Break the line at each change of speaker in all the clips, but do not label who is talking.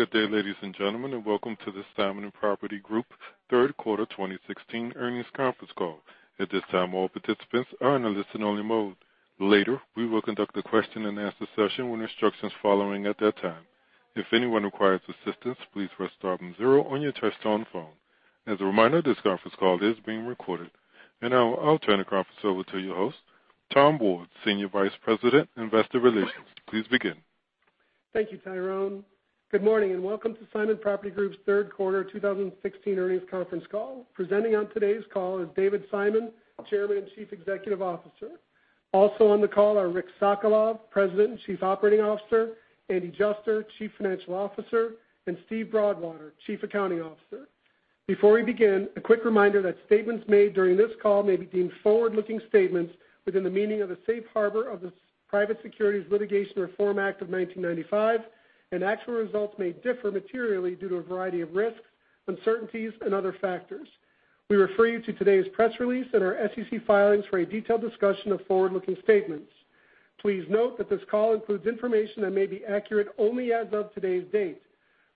Good day, ladies and gentlemen, welcome to the Simon Property Group third quarter 2016 earnings conference call. At this time, all participants are in a listen-only mode. Later, we will conduct a question-and-answer session with instructions following at that time. If anyone requires assistance, please press star and zero on your touch-tone phone. As a reminder, this conference call is being recorded. Now, I'll turn the conference over to your host, Tom Ward, Senior Vice President, Investor Relations. Please begin.
Thank you, Tyrone. Good morning, welcome to Simon Property Group's third quarter 2016 earnings conference call. Presenting on today's call is David Simon, Chairman and Chief Executive Officer. Also on the call are Rick Sokolov, President and Chief Operating Officer, Andy Juster, Chief Financial Officer, and Steve Broadwater, Chief Accounting Officer. Before we begin, a quick reminder that statements made during this call may be deemed forward-looking statements within the meaning of the safe harbor of the Private Securities Litigation Reform Act of 1995. Actual results may differ materially due to a variety of risks, uncertainties, and other factors. We refer you to today's press release and our SEC filings for a detailed discussion of forward-looking statements. Please note that this call includes information that may be accurate only as of today's date.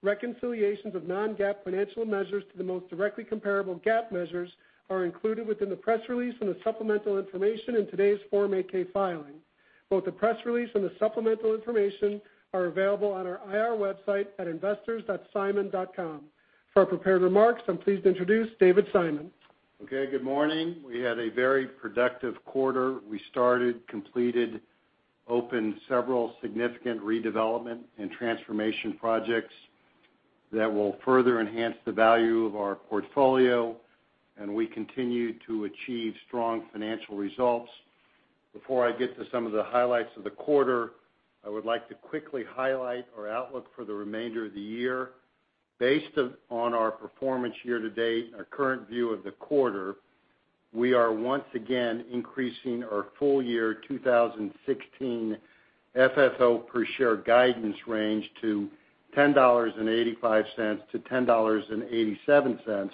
Reconciliations of non-GAAP financial measures to the most directly comparable GAAP measures are included within the press release and the supplemental information in today's Form 8-K filing. Both the press release and the supplemental information are available on our IR website at investors.simon.com. For our prepared remarks, I'm pleased to introduce David Simon.
Okay, good morning. We had a very productive quarter. We started, completed, opened several significant redevelopment and transformation projects that will further enhance the value of our portfolio. We continue to achieve strong financial results. Before I get to some of the highlights of the quarter, I would like to quickly highlight our outlook for the remainder of the year. Based on our performance year-to-date and our current view of the quarter, we are once again increasing our full year 2016 FFO per share guidance range to $10.85-$10.87,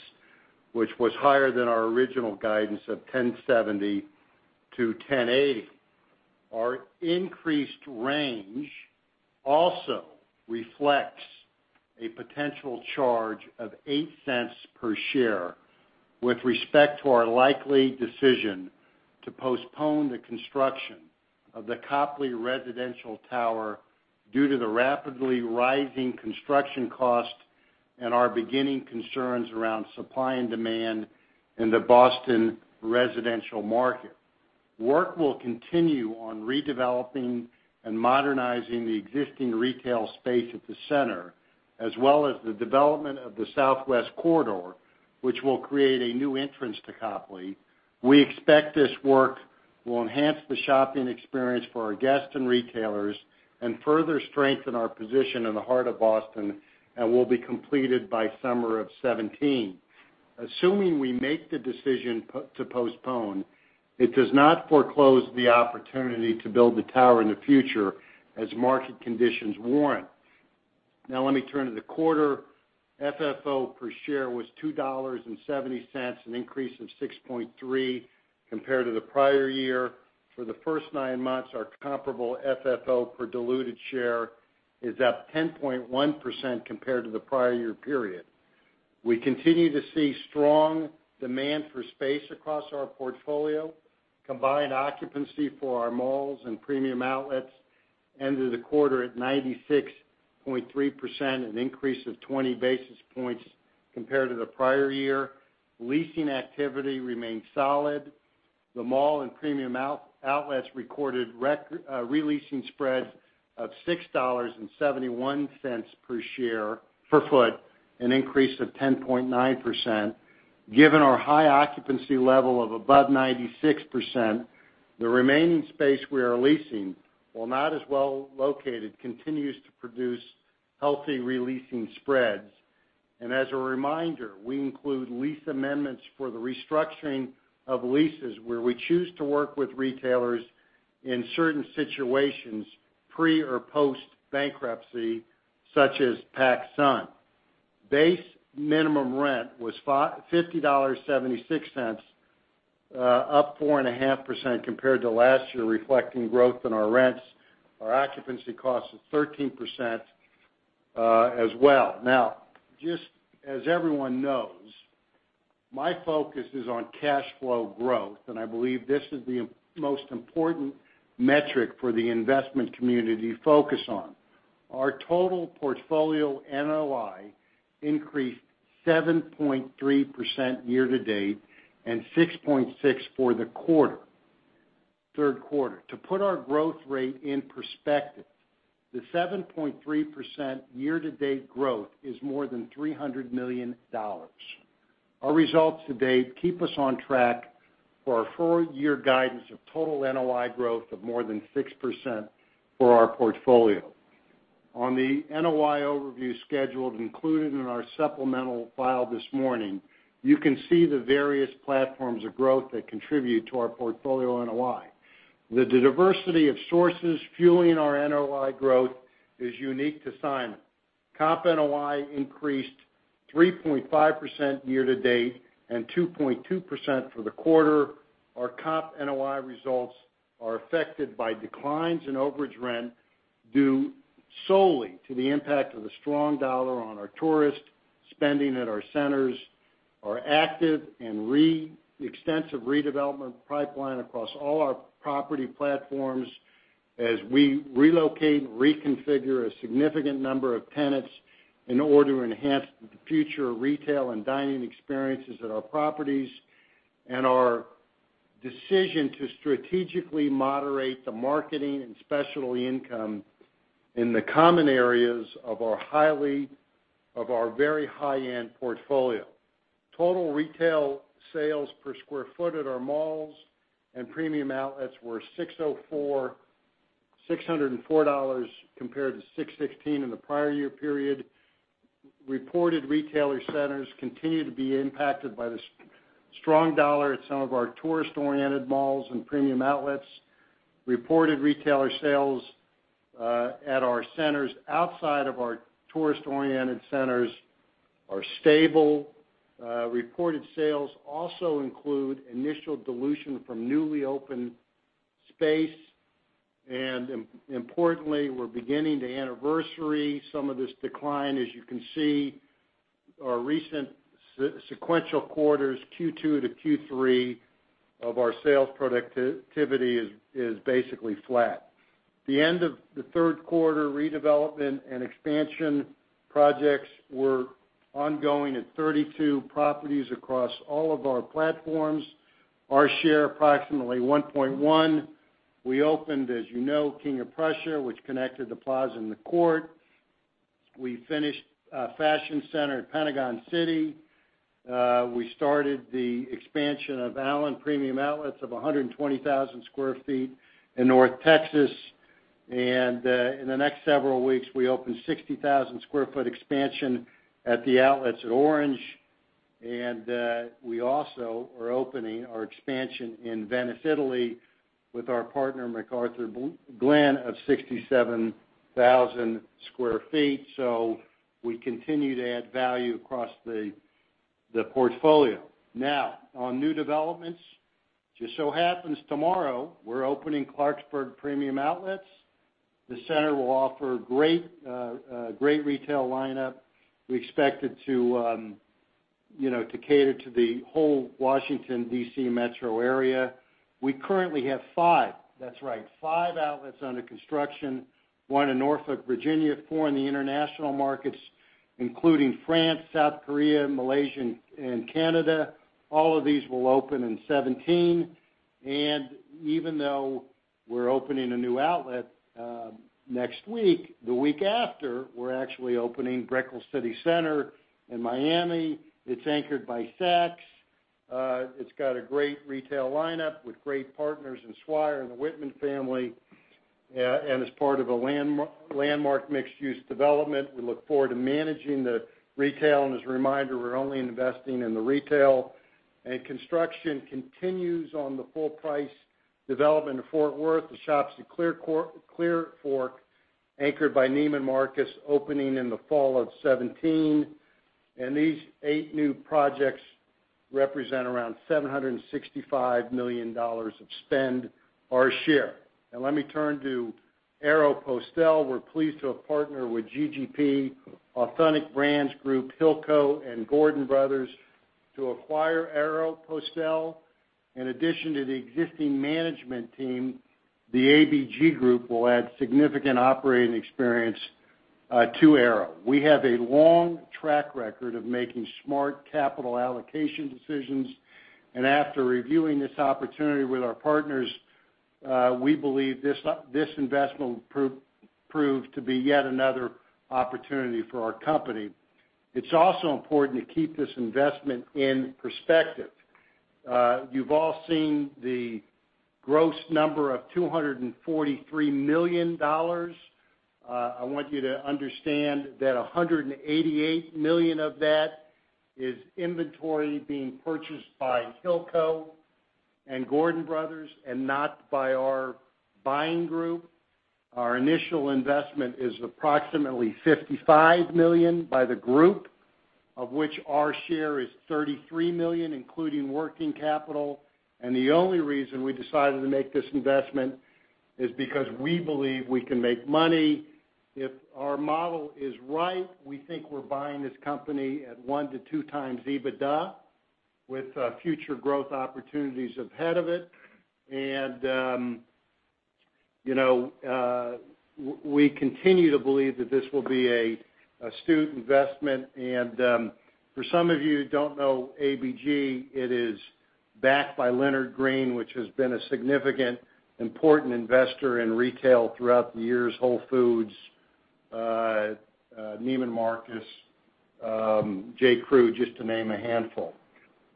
which was higher than our original guidance of $10.70-$10.80. Our increased range also reflects a potential charge of $0.08 per share with respect to our likely decision to postpone the construction of the Copley residential tower due to the rapidly rising construction cost and our beginning concerns around supply and demand in the Boston residential market. Work will continue on redeveloping and modernizing the existing retail space at the center, as well as the development of the southwest corridor, which will create a new entrance to Copley. We expect this work will enhance the shopping experience for our guests and retailers, and further strengthen our position in the heart of Boston and will be completed by summer of 2017. Assuming we make the decision to postpone, it does not foreclose the opportunity to build the tower in the future as market conditions warrant. Let me turn to the quarter. FFO per share was $2.70, an increase of 6.3% compared to the prior year. For the first nine months, our comparable FFO per diluted share is up 10.1% compared to the prior year period. We continue to see strong demand for space across our portfolio. Combined occupancy for our malls and premium outlets ended the quarter at 96.3%, an increase of 20 basis points compared to the prior year. Leasing activity remained solid. The mall and premium outlets recorded re-leasing spreads of $6.71 per foot, an increase of 10.9%. Given our high occupancy level of above 96%, the remaining space we are leasing, while not as well located, continues to produce healthy re-leasing spreads. As a reminder, we include lease amendments for the restructuring of leases where we choose to work with retailers in certain situations, pre or post-bankruptcy, such as PacSun. Base minimum rent was $50.76, up 4.5% compared to last year, reflecting growth in our rents. Our occupancy cost is 13% as well. Just as everyone knows, my focus is on cash flow growth, and I believe this is the most important metric for the investment community to focus on. Our total portfolio NOI increased 7.3% year to date and 6.6% for the third quarter. To put our growth rate in perspective, the 7.3% year-to-date growth is more than $300 million. Our results to date keep us on track for our full-year guidance of total NOI growth of more than 6% for our portfolio. On the NOI overview schedule included in our supplemental file this morning, you can see the various platforms of growth that contribute to our portfolio NOI. The diversity of sources fueling our NOI growth is unique to Simon. Comp NOI increased 3.5% year to date and 2.2% for the quarter. Our comp NOI results are affected by declines in overage rent due solely to the impact of the strong dollar on our tourist spending at our centers, our active and extensive redevelopment pipeline across all our property platforms as we relocate and reconfigure a significant number of tenants in order to enhance the future retail and dining experiences at our properties, and our decision to strategically moderate the marketing and specialty income in the common areas of our very high-end portfolio. Total retail sales per square foot at our malls and premium outlets were $604 compared to $616 in the prior year period. Reported retailer sales continue to be impacted by the strong dollar at some of our tourist-oriented malls and premium outlets. Reported retailer sales at our centers outside of our tourist-oriented centers are stable. Reported sales also include initial dilution from newly opened space. Importantly, we're beginning to anniversary some of this decline. As you can see, our recent sequential quarters, Q2 to Q3, of our sales productivity is basically flat. The end of the third quarter redevelopment and expansion projects were ongoing at 32 properties across all of our platforms. Our share, approximately 1.1. We opened, as you know, King of Prussia, which connected the plaza and the court. We finished a fashion center at Pentagon City. We started the expansion of Allen Premium Outlets of 120,000 sq ft in North Texas. In the next several weeks, we open 60,000 sq ft expansion at the Outlets at Orange. We also are opening our expansion in Venice, Italy with our partner, McArthurGlen, of 67,000 sq ft. We continue to add value across the portfolio. Now, on new developments, just so happens tomorrow, we're opening Clarksburg Premium Outlets. The center will offer a great retail lineup. We expect it to cater to the whole Washington, D.C., metro area. We currently have five, that's right, five outlets under construction, one in Norfolk, Virginia, four in the international markets, including France, South Korea, Malaysia, and Canada. All of these will open in 2017. Even though we're opening a new outlet next week, the week after, we're actually opening Brickell City Centre in Miami. It's anchored by Saks. It's got a great retail lineup with great partners in Swire and the Whitman family, and is part of a landmark mixed-use development. We look forward to managing the retail, and as a reminder, we're only investing in the retail. Construction continues on the full-price development of Fort Worth, The Shops at Clearfork, anchored by Neiman Marcus, opening in the fall of 2017. These eight new projects represent around $765 million of spend our share. Now let me turn to Aéropostale. We're pleased to have partnered with GGP, Authentic Brands Group, Hilco, and Gordon Brothers to acquire Aéropostale. In addition to the existing management team, the ABG group will add significant operating experience to Aero. We have a long track record of making smart capital allocation decisions. After reviewing this opportunity with our partners, we believe this investment will prove to be yet another opportunity for our company. It's also important to keep this investment in perspective. You've all seen the gross number of $243 million. I want you to understand that $188 million of that is inventory being purchased by Hilco and Gordon Brothers and not by our buying group. Our initial investment is approximately $55 million by the group, of which our share is $33 million, including working capital. The only reason we decided to make this investment is because we believe we can make money. If our model is right, we think we're buying this company at one to two times EBITDA with future growth opportunities ahead of it. We continue to believe that this will be an astute investment. For some of you who don't know ABG, it is backed by Leonard Green, which has been a significant, important investor in retail throughout the years, Whole Foods, Neiman Marcus, J.Crew, just to name a handful.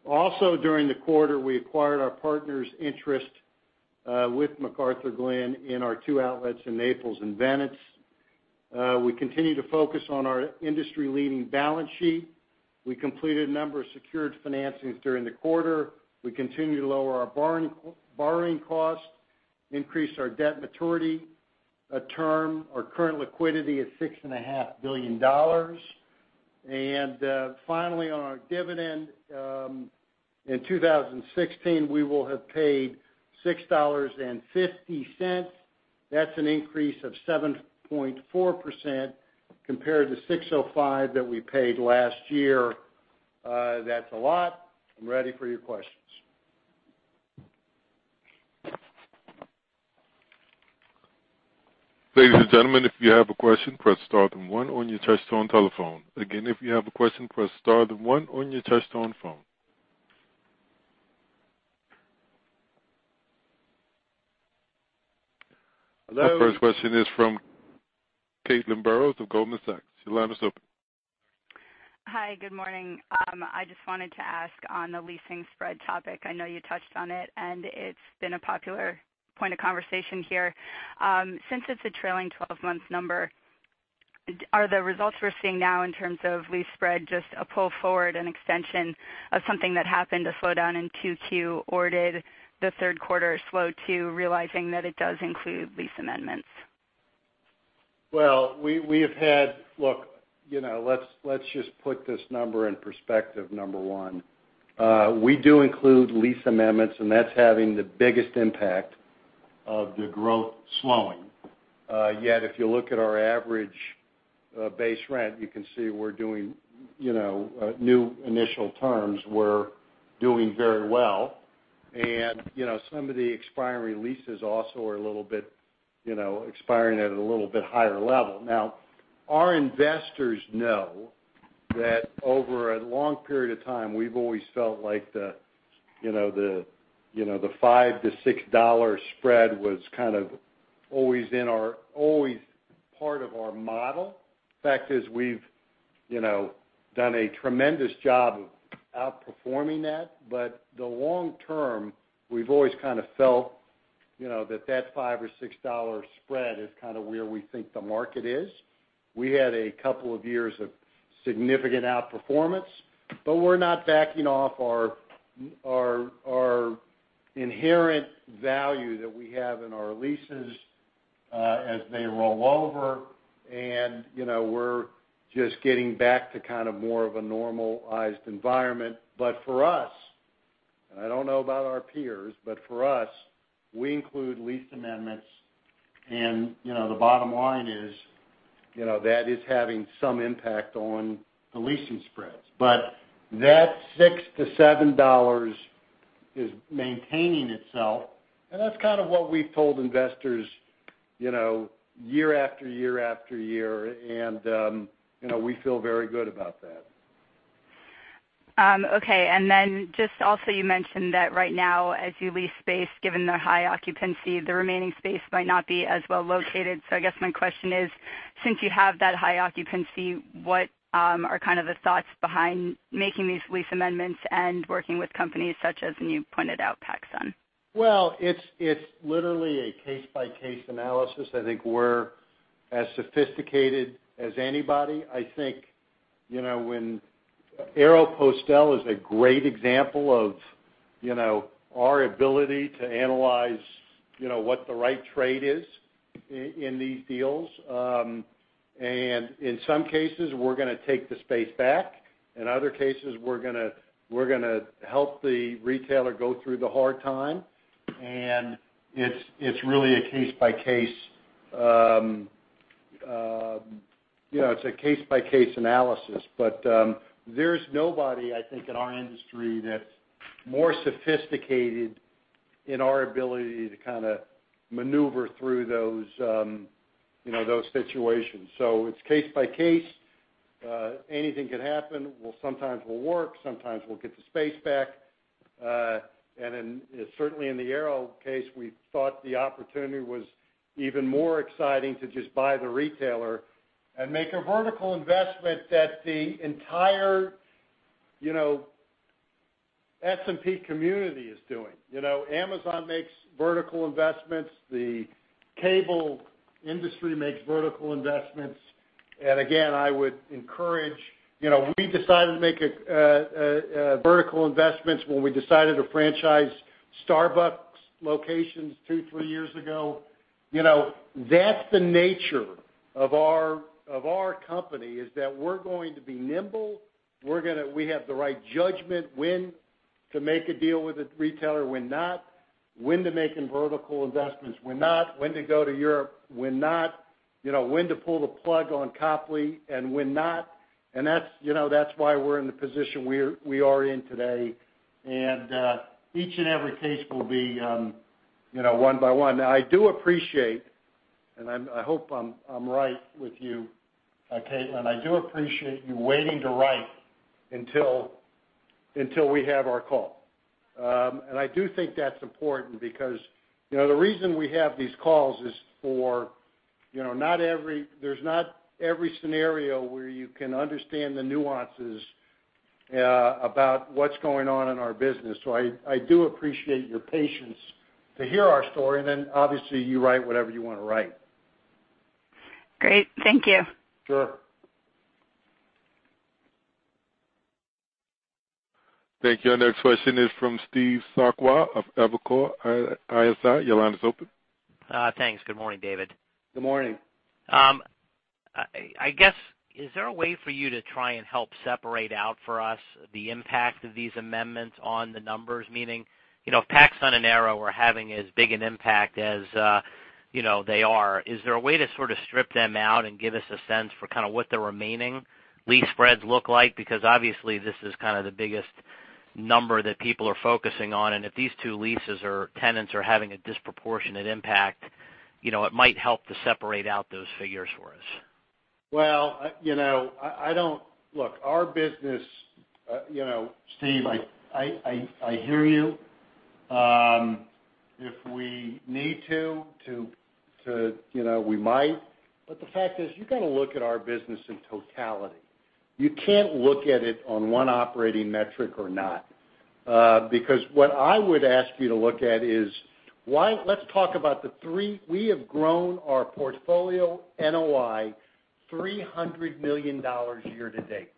Also, during the quarter, we acquired our partner's interest with McArthurGlen in our two outlets in Naples and Venice. We continue to focus on our industry-leading balance sheet. We completed a number of secured financings during the quarter. We continue to lower our borrowing costs, increase our debt maturity. A term or current liquidity of $6.5 billion. Finally, on our dividend, in 2016, we will have paid $6.50. That's an increase of 7.4% compared to $6.05 that we paid last year. That's a lot. I'm ready for your questions.
Ladies and gentlemen, if you have a question, press star then one on your touch-tone telephone. If you have a question, press star then one on your touch-tone phone.
Hello?
Our first question is from Caitlin Burrows of Goldman Sachs. Your line is open.
Hi. Good morning. I just wanted to ask on the leasing spread topic, I know you touched on it, and it's been a popular point of conversation here. Since it's a trailing 12 months number, are the results we're seeing now in terms of lease spread, just a pull forward, an extension of something that happened to slow down in Q2? Did the third quarter slow too, realizing that it does include lease amendments?
Well, let's just put this number in perspective, number one. We do include lease amendments, and that's having the biggest impact of the growth slowing. Yet if you look at our average base rent, you can see we're doing new initial terms. We're doing very well. Some of the expiring leases also are expiring at a little bit higher level. Now, our investors know that over a long period of time, we've always felt like the $5 to $6 spread was kind of always part of our model. Fact is, we've done a tremendous job of outperforming that. The long term, we've always kind of felt, that $5 or $6 spread is kind of where we think the market is. We had a couple of years of significant outperformance, but we're not backing off our inherent value that we have in our leases, as they roll over. We're just getting back to kind of more of a normalized environment. For us, and I don't know about our peers, but for us, we include lease amendments. The bottom line is, that is having some impact on the leasing spreads. That $6 to $7 is maintaining itself, and that's kind of what we've told investors year after year after year, and we feel very good about that.
Okay. Just also, you mentioned that right now, as you lease space, given the high occupancy, the remaining space might not be as well located. I guess my question is: Since you have that high occupancy, what are kind of the thoughts behind making these lease amendments and working with companies such as, and you pointed out, PacSun?
Well, it's literally a case-by-case analysis. I think we're as sophisticated as anybody. I think Aéropostale is a great example of our ability to analyze what the right trade is in these deals. In some cases, we're going to take the space back. In other cases, we're going to help the retailer go through the hard time. It's really a case-by-case analysis. There's nobody, I think, in our industry that's more sophisticated in our ability to kind of maneuver through those situations. It's case by case. Anything can happen. Well, sometimes we'll work, sometimes we'll get the space back. Certainly in the Aero case, we thought the opportunity was even more exciting to just buy the retailer and make a vertical investment that the entire S&P community is doing. Amazon makes vertical investments. The cable industry makes vertical investments. Again, we decided to make vertical investments when we decided to franchise Starbucks locations two, three years ago. That's the nature of our company, is that we're going to be nimble. We have the right judgment when to make a deal with a retailer, when not, when to make vertical investments, when not, when to go to Europe, when not, when to pull the plug on Copley, and when not, and that's why we're in the position we are in today. Each and every case will be one by one. I do appreciate, and I hope I'm right with you, Caitlin. I do appreciate you waiting to write until we have our call. I do think that's important because the reason we have these calls is for, there's not every scenario where you can understand the nuances about what's going on in our business. I do appreciate your patience to hear our story, and then obviously you write whatever you want to write.
Great. Thank you.
Sure.
Thank you. Our next question is from Steve Sakwa of Evercore ISI. Your line is open.
Thanks. Good morning, David.
Good morning.
I guess, is there a way for you to try and help separate out for us the impact of these amendments on the numbers? Meaning, if PacSun and Aero are having as big an impact as they are, is there a way to sort of strip them out and give us a sense for kind of what the remaining lease spreads look like? Obviously, this is kind of the biggest number that people are focusing on, and if these two leases or tenants are having a disproportionate impact, it might help to separate out those figures for us.
Well, look, Steve, I hear you. If we need to, we might. The fact is, you got to look at our business in totality. You can't look at it on one operating metric or not. What I would ask you to look at is, we have grown our portfolio NOI $300 million year-to-date.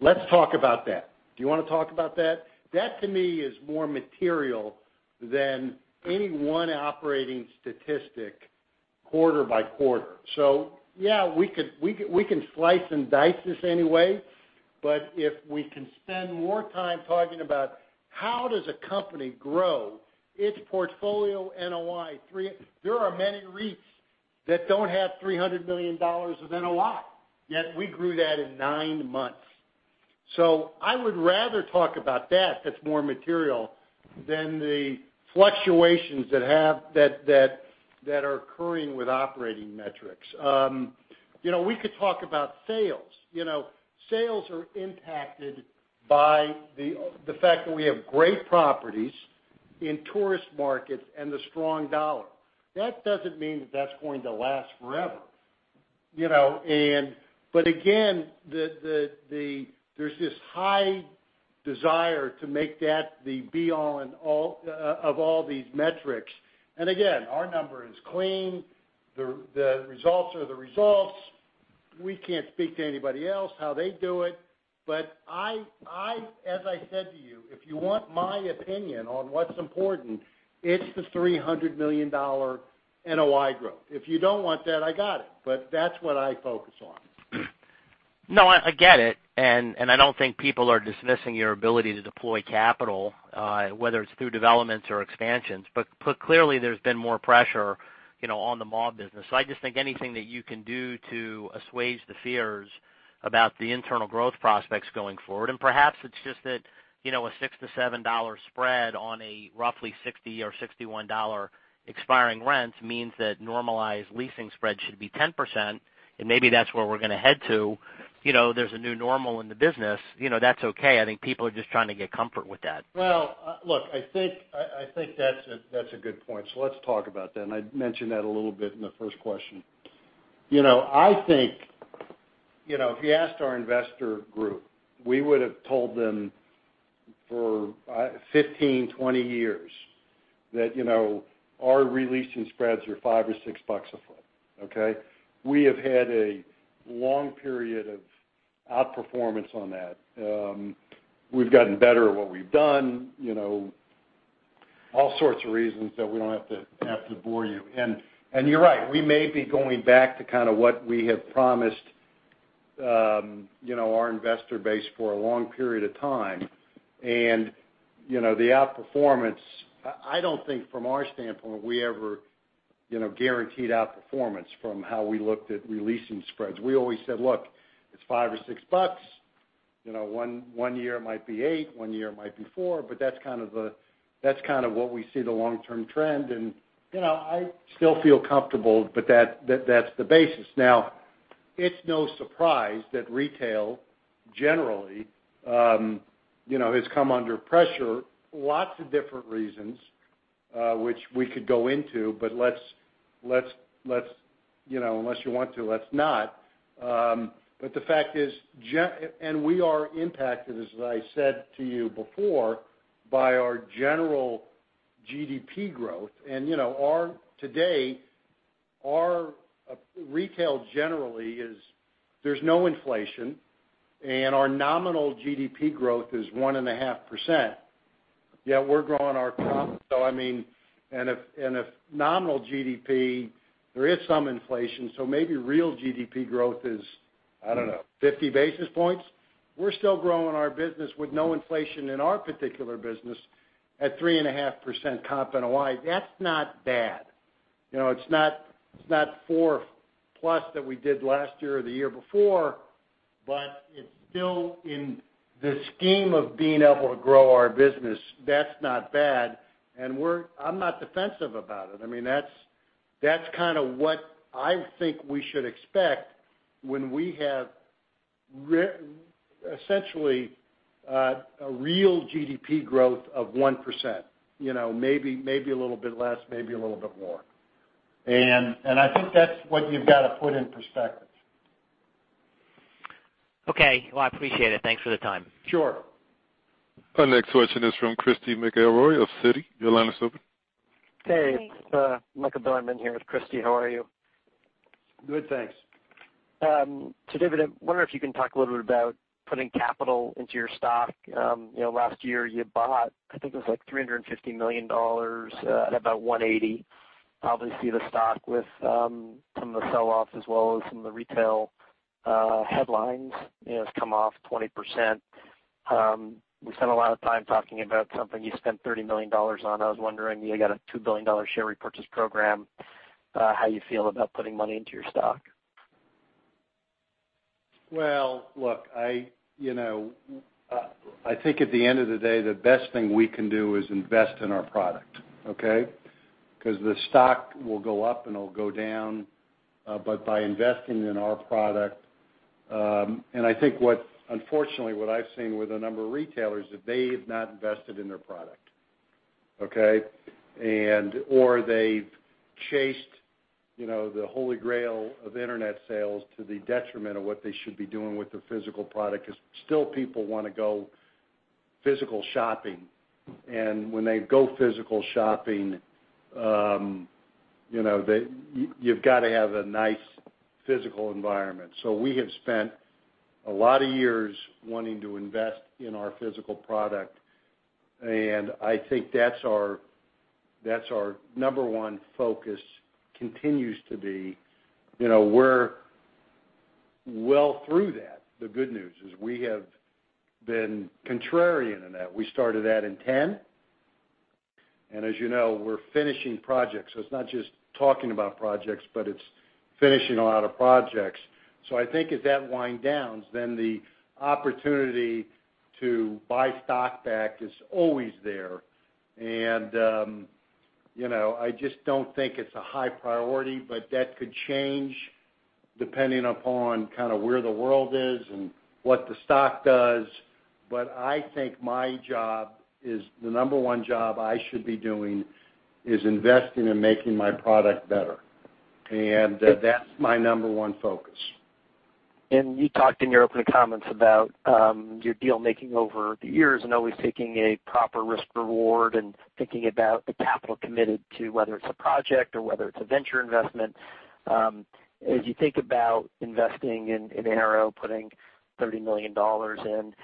Let's talk about that. Do you want to talk about that? That to me is more material than any one operating statistic quarter by quarter. Yeah, we can slice and dice this any way, but if we can spend more time talking about how does a company grow its portfolio NOI. There are many REITs that don't have $300 million of NOI, yet we grew that in nine months. I would rather talk about that's more material, than the fluctuations that are occurring with operating metrics. We could talk about sales. Sales are impacted by the fact that we have great properties in tourist markets and the strong dollar. That doesn't mean that's going to last forever. Again, there's this high desire to make that the be-all, end-all of all these metrics. Again, our number is clean. The results are the results. We can't speak to anybody else, how they do it. As I said to you, if you want my opinion on what's important, it's the $300 million NOI growth. If you don't want that, I got it, that's what I focus on.
I get it, I don't think people are dismissing your ability to deploy capital, whether it's through developments or expansions. Clearly, there's been more pressure on the mall business. I just think anything that you can do to assuage the fears about the internal growth prospects going forward. Perhaps it's just that a $6-$7 spread on a roughly $60 or $61 expiring rents means that normalized leasing spreads should be 10%. Maybe that's where we're going to head to. There's a new normal in the business, that's okay. I think people are just trying to get comfort with that.
Look, I think that's a good point. Let's talk about that. I mentioned that a little bit in the first question. I think, if you asked our investor group, we would've told them for 15, 20 years that our re-leasing spreads are $5 or $6 a foot. Okay? We have had a long period of outperformance on that. We've gotten better at what we've done. All sorts of reasons that we don't have to bore you. You're right, we may be going back to kind of what we have promised our investor base for a long period of time. The outperformance, I don't think from our standpoint, we ever guaranteed outperformance from how we looked at re-leasing spreads. We always said, "Look, it's $5 or $6. One year it might be eight, one year it might be four, that's kind of what we see the long-term trend." I still feel comfortable that that's the basis. It's no surprise that retail generally has come under pressure. Lots of different reasons, which we could go into, unless you want to, let's not. We are impacted, as I said to you before, by our general GDP growth. Today, our retail generally is there's no inflation, our nominal GDP growth is 1.5%. Yet we're growing our comp. I mean, if nominal GDP, there is some inflation, maybe real GDP growth is, I don't know, 50 basis points? We're still growing our business with no inflation in our particular business at 3.5% comp NOI. That's not bad. It's not four-plus that we did last year or the year before, but it's still in the scheme of being able to grow our business. That's not bad, and I'm not defensive about it. That's kind of what I think we should expect when we have essentially a real GDP growth of 1%, maybe a little bit less, maybe a little bit more. I think that's what you've got to put in perspective.
Okay. Well, I appreciate it. Thanks for the time.
Sure.
Our next question is from Christy McElroy of Citi. Your line is open.
Hey, it's Michael Bilerman here with Christy. How are you?
Good, thanks.
David, I wonder if you can talk a little bit about putting capital into your stock. Last year you bought, I think it was like $350 million at about $180. Obviously, the stock with some of the sell-off as well as some of the retail headlines, has come off 20%. We spent a lot of time talking about something you spent $30 million on. I was wondering, you got a $2 billion share repurchase program, how you feel about putting money into your stock?
Look, I think at the end of the day, the best thing we can do is invest in our product, okay? The stock will go up and it'll go down. By investing in our product and I think unfortunately what I've seen with a number of retailers is they have not invested in their product, okay? They've chased the holy grail of internet sales to the detriment of what they should be doing with their physical product, because still people want to go physical shopping. When they go physical shopping, you've got to have a nice physical environment. We have spent a lot of years wanting to invest in our physical product, and I think that's our number one focus, continues to be. We're well through that. The good news is we have been contrarian in that. We started that in 2010, as you know, we're finishing projects. It's not just talking about projects, but it's finishing a lot of projects. I think as that wind downs, the opportunity to buy stock back is always there. I just don't think it's a high priority, but that could change depending upon where the world is and what the stock does. I think my job is, the number one job I should be doing, is investing in making my product better. That's my number one focus.
You talked in your opening comments about your deal making over the years and always taking a proper risk reward and thinking about the capital committed to whether it's a project or whether it's a venture investment. As you think about investing in Aero, putting $30 million in,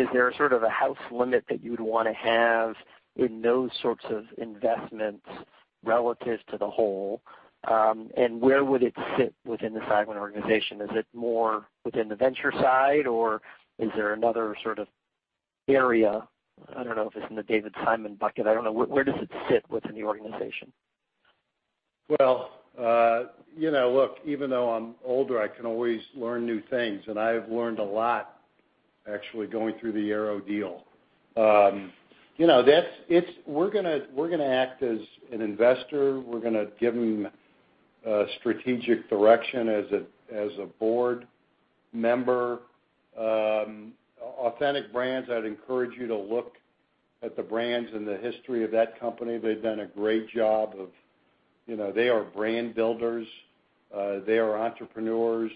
is there a house limit that you'd want to have in those sorts of investments relative to the whole? Where would it sit within the Simon organization? Is it more within the venture side, or is there another sort of area? I don't know if it's in the David Simon bucket. I don't know. Where does it sit within the organization?
Well, look, even though I'm older, I can always learn new things, and I have learned a lot actually going through the Aero deal. We're going to act as an investor. We're going to give them strategic direction as a board member. Authentic Brands, I'd encourage you to look at the brands and the history of that company. They've done a great job of They are brand builders. They are entrepreneurs.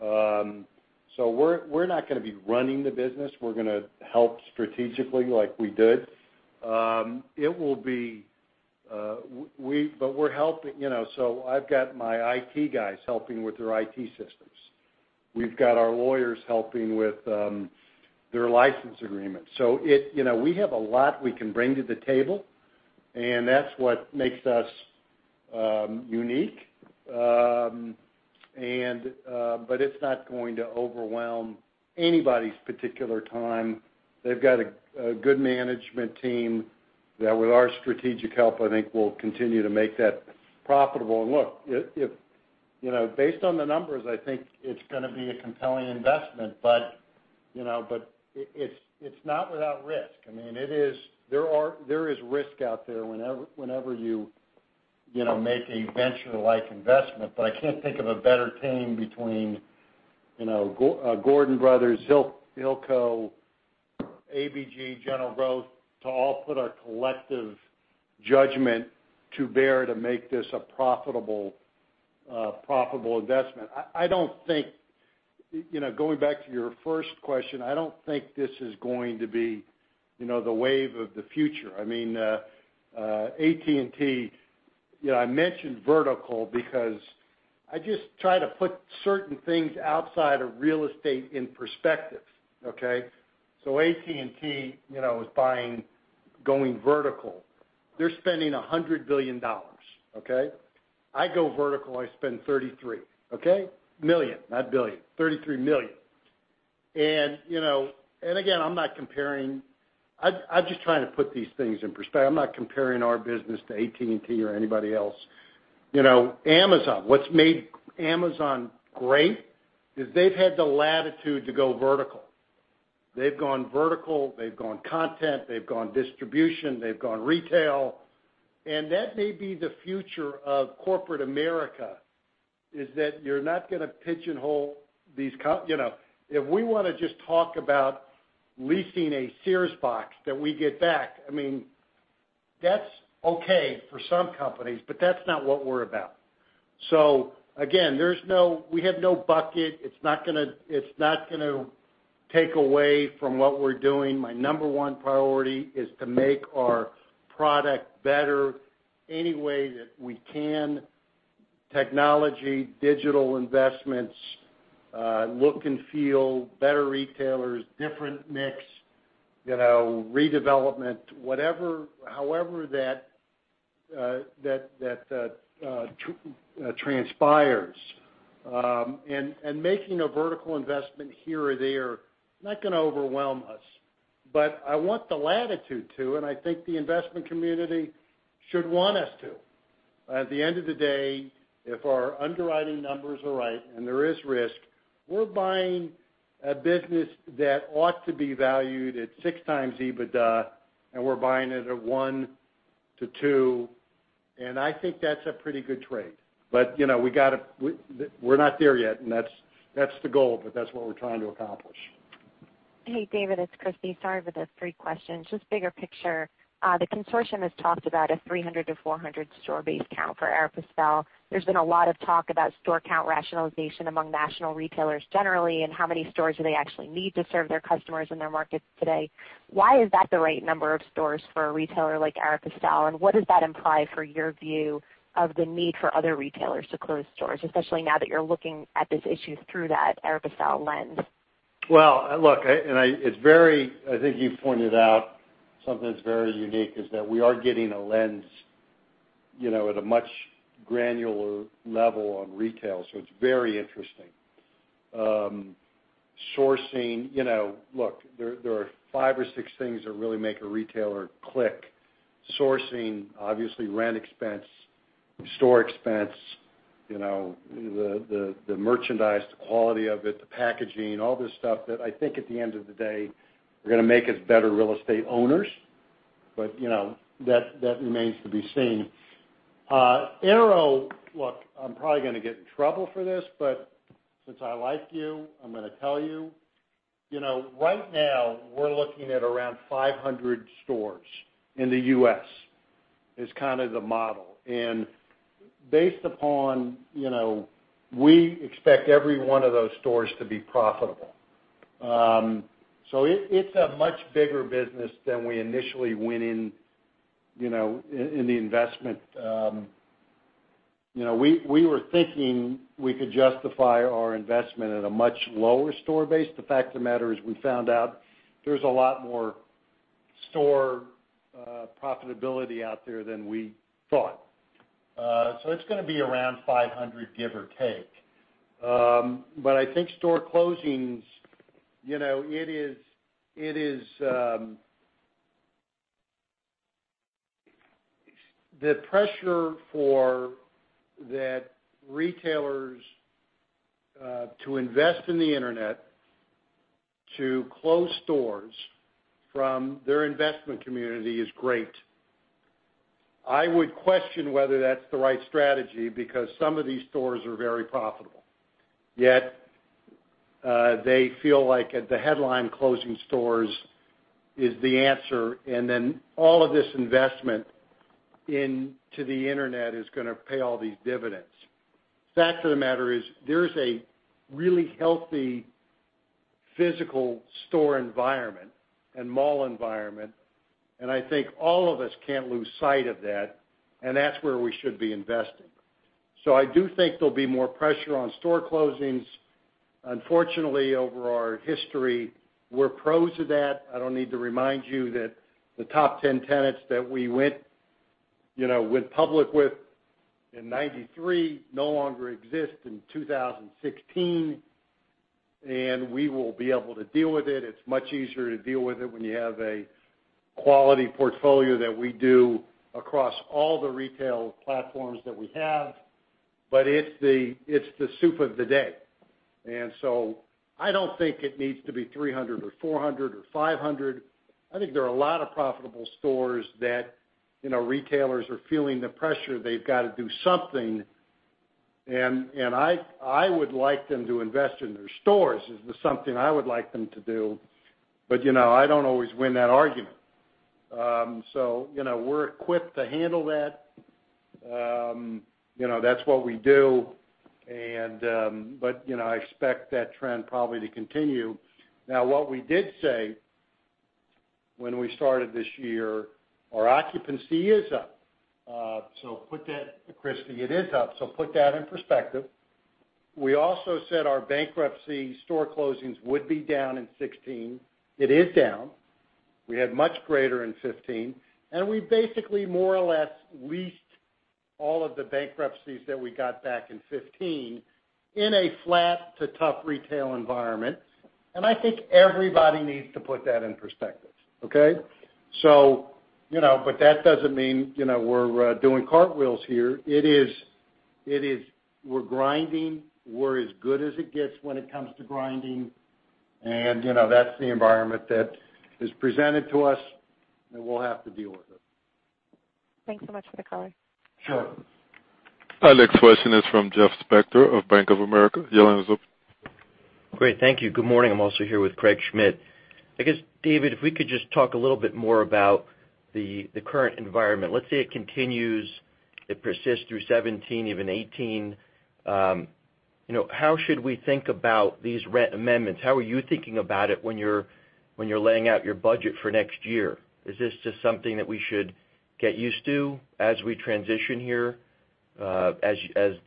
We're not going to be running the business. We're going to help strategically like we did. I've got my IT guys helping with their IT systems. We've got our lawyers helping with their license agreement. We have a lot we can bring to the table, and that's what makes us unique. It's not going to overwhelm anybody's particular time. They've got a good management team that with our strategic help, I think will continue to make that profitable. Look, based on the numbers, I think it's going to be a compelling investment. It's not without risk. There is risk out there whenever you make a venture-like investment, but I can't think of a better team between Gordon Brothers, Hilco, ABG, General Growth, to all put our collective judgment to bear to make this a profitable investment. Going back to your first question, I don't think this is going to be the wave of the future. AT&T, I mentioned vertical because I just try to put certain things outside of real estate in perspective, okay? AT&T is going vertical. They're spending $100 billion. Okay? I go vertical, I spend 33 million, not billion, 33 million. Again, I'm just trying to put these things in perspective. I'm not comparing our business to AT&T or anybody else. Amazon, what's made Amazon great is they've had the latitude to go vertical. They've gone vertical, they've gone content, they've gone distribution, they've gone retail. That may be the future of corporate America, is that you're not going to pigeonhole these If we want to just talk about leasing a Sears box that we get back, that's okay for some companies, but that's not what we're about. Again, we have no bucket. It's not going to take away from what we're doing. My number one priority is to make our product better any way that we can. Technology, digital investments, look and feel, better retailers, different mix, redevelopment, however that transpires. Making a vertical investment here or there, not going to overwhelm us. I want the latitude to, and I think the investment community should want us to. At the end of the day, if our underwriting numbers are right and there is risk, we're buying a business that ought to be valued at six times EBITDA, and we're buying it at one to two, and I think that's a pretty good trade. We're not there yet, and that's the goal, that's what we're trying to accomplish.
Hey, David, it's Christy. Sorry for the three questions. Just bigger picture. The consortium has talked about a 300-400 store base count for Aéropostale. There's been a lot of talk about store count rationalization among national retailers generally, and how many stores do they actually need to serve their customers in their markets today. Why is that the right number of stores for a retailer like Aéropostale, and what does that imply for your view of the need for other retailers to close stores, especially now that you're looking at this issue through that Aéropostale lens?
Well, look, I think you pointed out something that's very unique is that we are getting a lens, at a much granular level on retail, so it's very interesting. Sourcing. Look, there are five or six things that really make a retailer click. Sourcing, obviously rent expense, store expense, the merchandise, the quality of it, the packaging, all this stuff that I think at the end of the day, are going to make us better real estate owners. That remains to be seen. Aero, look, I'm probably going to get in trouble for this, since I like you, I'm going to tell you. Right now, we're looking at around 500 stores in the U.S., is kind of the model. Based upon, we expect every one of those stores to be profitable. It's a much bigger business than we initially went in the investment. We were thinking we could justify our investment at a much lower store base. The fact of the matter is, we found out there's a lot more store profitability out there than we thought. It's going to be around 500, give or take. I think store closings, the pressure for the retailers to invest in the internet to close stores from their investment community is great. I would question whether that's the right strategy, because some of these stores are very profitable. They feel like the headline closing stores is the answer, and then all of this investment into the internet is going to pay all these dividends. Fact of the matter is, there's a really healthy physical store environment and mall environment, and I think all of us can't lose sight of that, and that's where we should be investing. I do think there'll be more pressure on store closings. Unfortunately, over our history, we're pros of that. I don't need to remind you that the top 10 tenants that we went public with in 1993 no longer exist in 2016, and we will be able to deal with it. It's much easier to deal with it when you have a quality portfolio that we do across all the retail platforms that we have, it's the soup of the day. I don't think it needs to be 300 or 400 or 500. I think there are a lot of profitable stores that retailers are feeling the pressure, they've got to do something. I would like them to invest in their stores. It's something I would like them to do. I don't always win that argument. We're equipped to handle that. That's what we do. I expect that trend probably to continue. What we did say when we started this year, our occupancy is up. Put that, Christy, it is up, so put that in perspective. We also said our bankruptcy store closings would be down in 2016. It is down. We had much greater in 2015, and we basically more or less leased all of the bankruptcies that we got back in 2015 in a flat to tough retail environment. I think everybody needs to put that in perspective. Okay? That doesn't mean we're doing cartwheels here. We're grinding. We're as good as it gets when it comes to grinding. That's the environment that is presented to us, and we'll have to deal with it.
Thanks so much for the color.
Sure.
Our next question is from Jeff Spector of Bank of America. Your line is open.
Great. Thank you. Good morning. I'm also here with Craig Schmidt. I guess, David, if we could just talk a little bit more about the current environment. Let's say it continues It persists through 2017, even 2018. How should we think about these rent amendments? How are you thinking about it when you're laying out your budget for next year? Is this just something that we should get used to as we transition here, as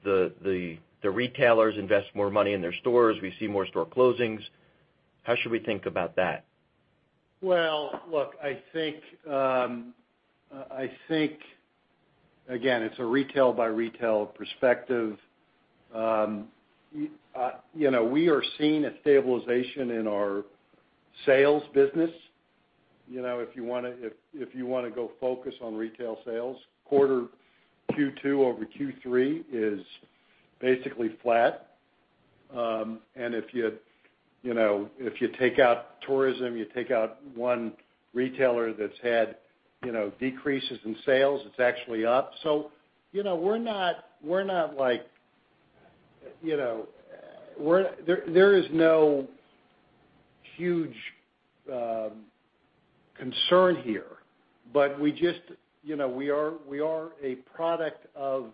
the retailers invest more money in their stores, we see more store closings? How should we think about that?
Look, I think, again, it's a retail-by-retail perspective. We are seeing a stabilization in our sales business. If you want to go focus on retail sales, quarter Q2 over Q3 is basically flat. If you take out tourism, you take out one retailer that's had decreases in sales, it's actually up. We're not like There is no huge concern here, but we are a product of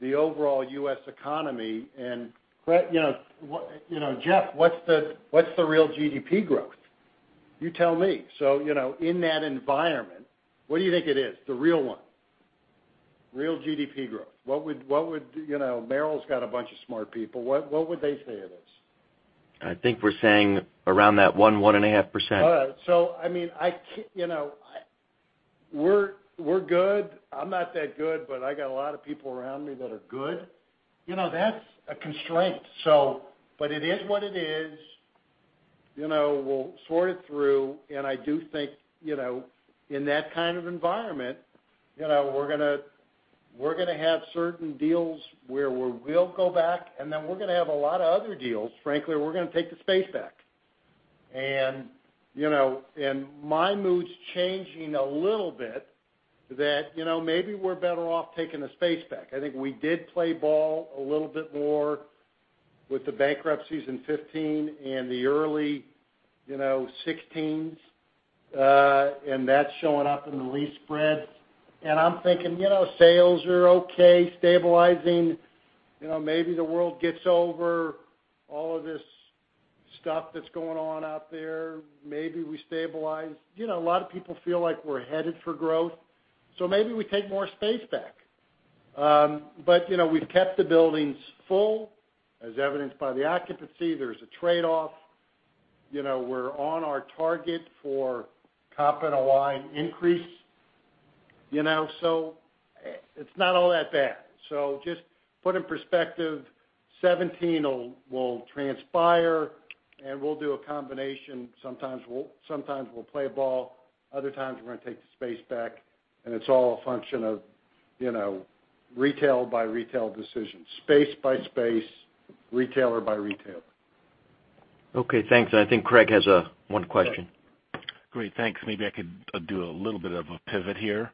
the overall U.S. economy, and Jeff, what's the real GDP growth? You tell me. In that environment, what do you think it is, the real one? Real GDP growth. Merrill's got a bunch of smart people. What would they say it is?
I think we're saying around that 1%, 1.5%.
All right. We're good. I'm not that good, but I got a lot of people around me that are good. That's a constraint. It is what it is. We'll sort it through, and I do think, in that kind of environment, we're going to have certain deals where we'll go back, and then we're going to have a lot of other deals, frankly, where we're going to take the space back. My mood's changing a little bit that maybe we're better off taking the space back. I think we did play ball a little bit more with the bankruptcies in 2015 and the early 2016s. That's showing up in the lease spreads. I'm thinking, sales are okay, stabilizing. Maybe the world gets over all of this stuff that's going on out there. Maybe we stabilize. A lot of people feel like we're headed for growth, maybe we take more space back. We've kept the buildings full, as evidenced by the occupancy. There's a trade-off. We're on our target for top-line increase. It's not all that bad. Just put in perspective, 2017 will transpire, and we'll do a combination. Sometimes we'll play ball, other times we're going to take the space back, and it's all a function of retail-by-retail decisions, space by space, retailer by retailer.
Okay, thanks. I think Craig has one question.
Great. Thanks. Maybe I could do a little bit of a pivot here.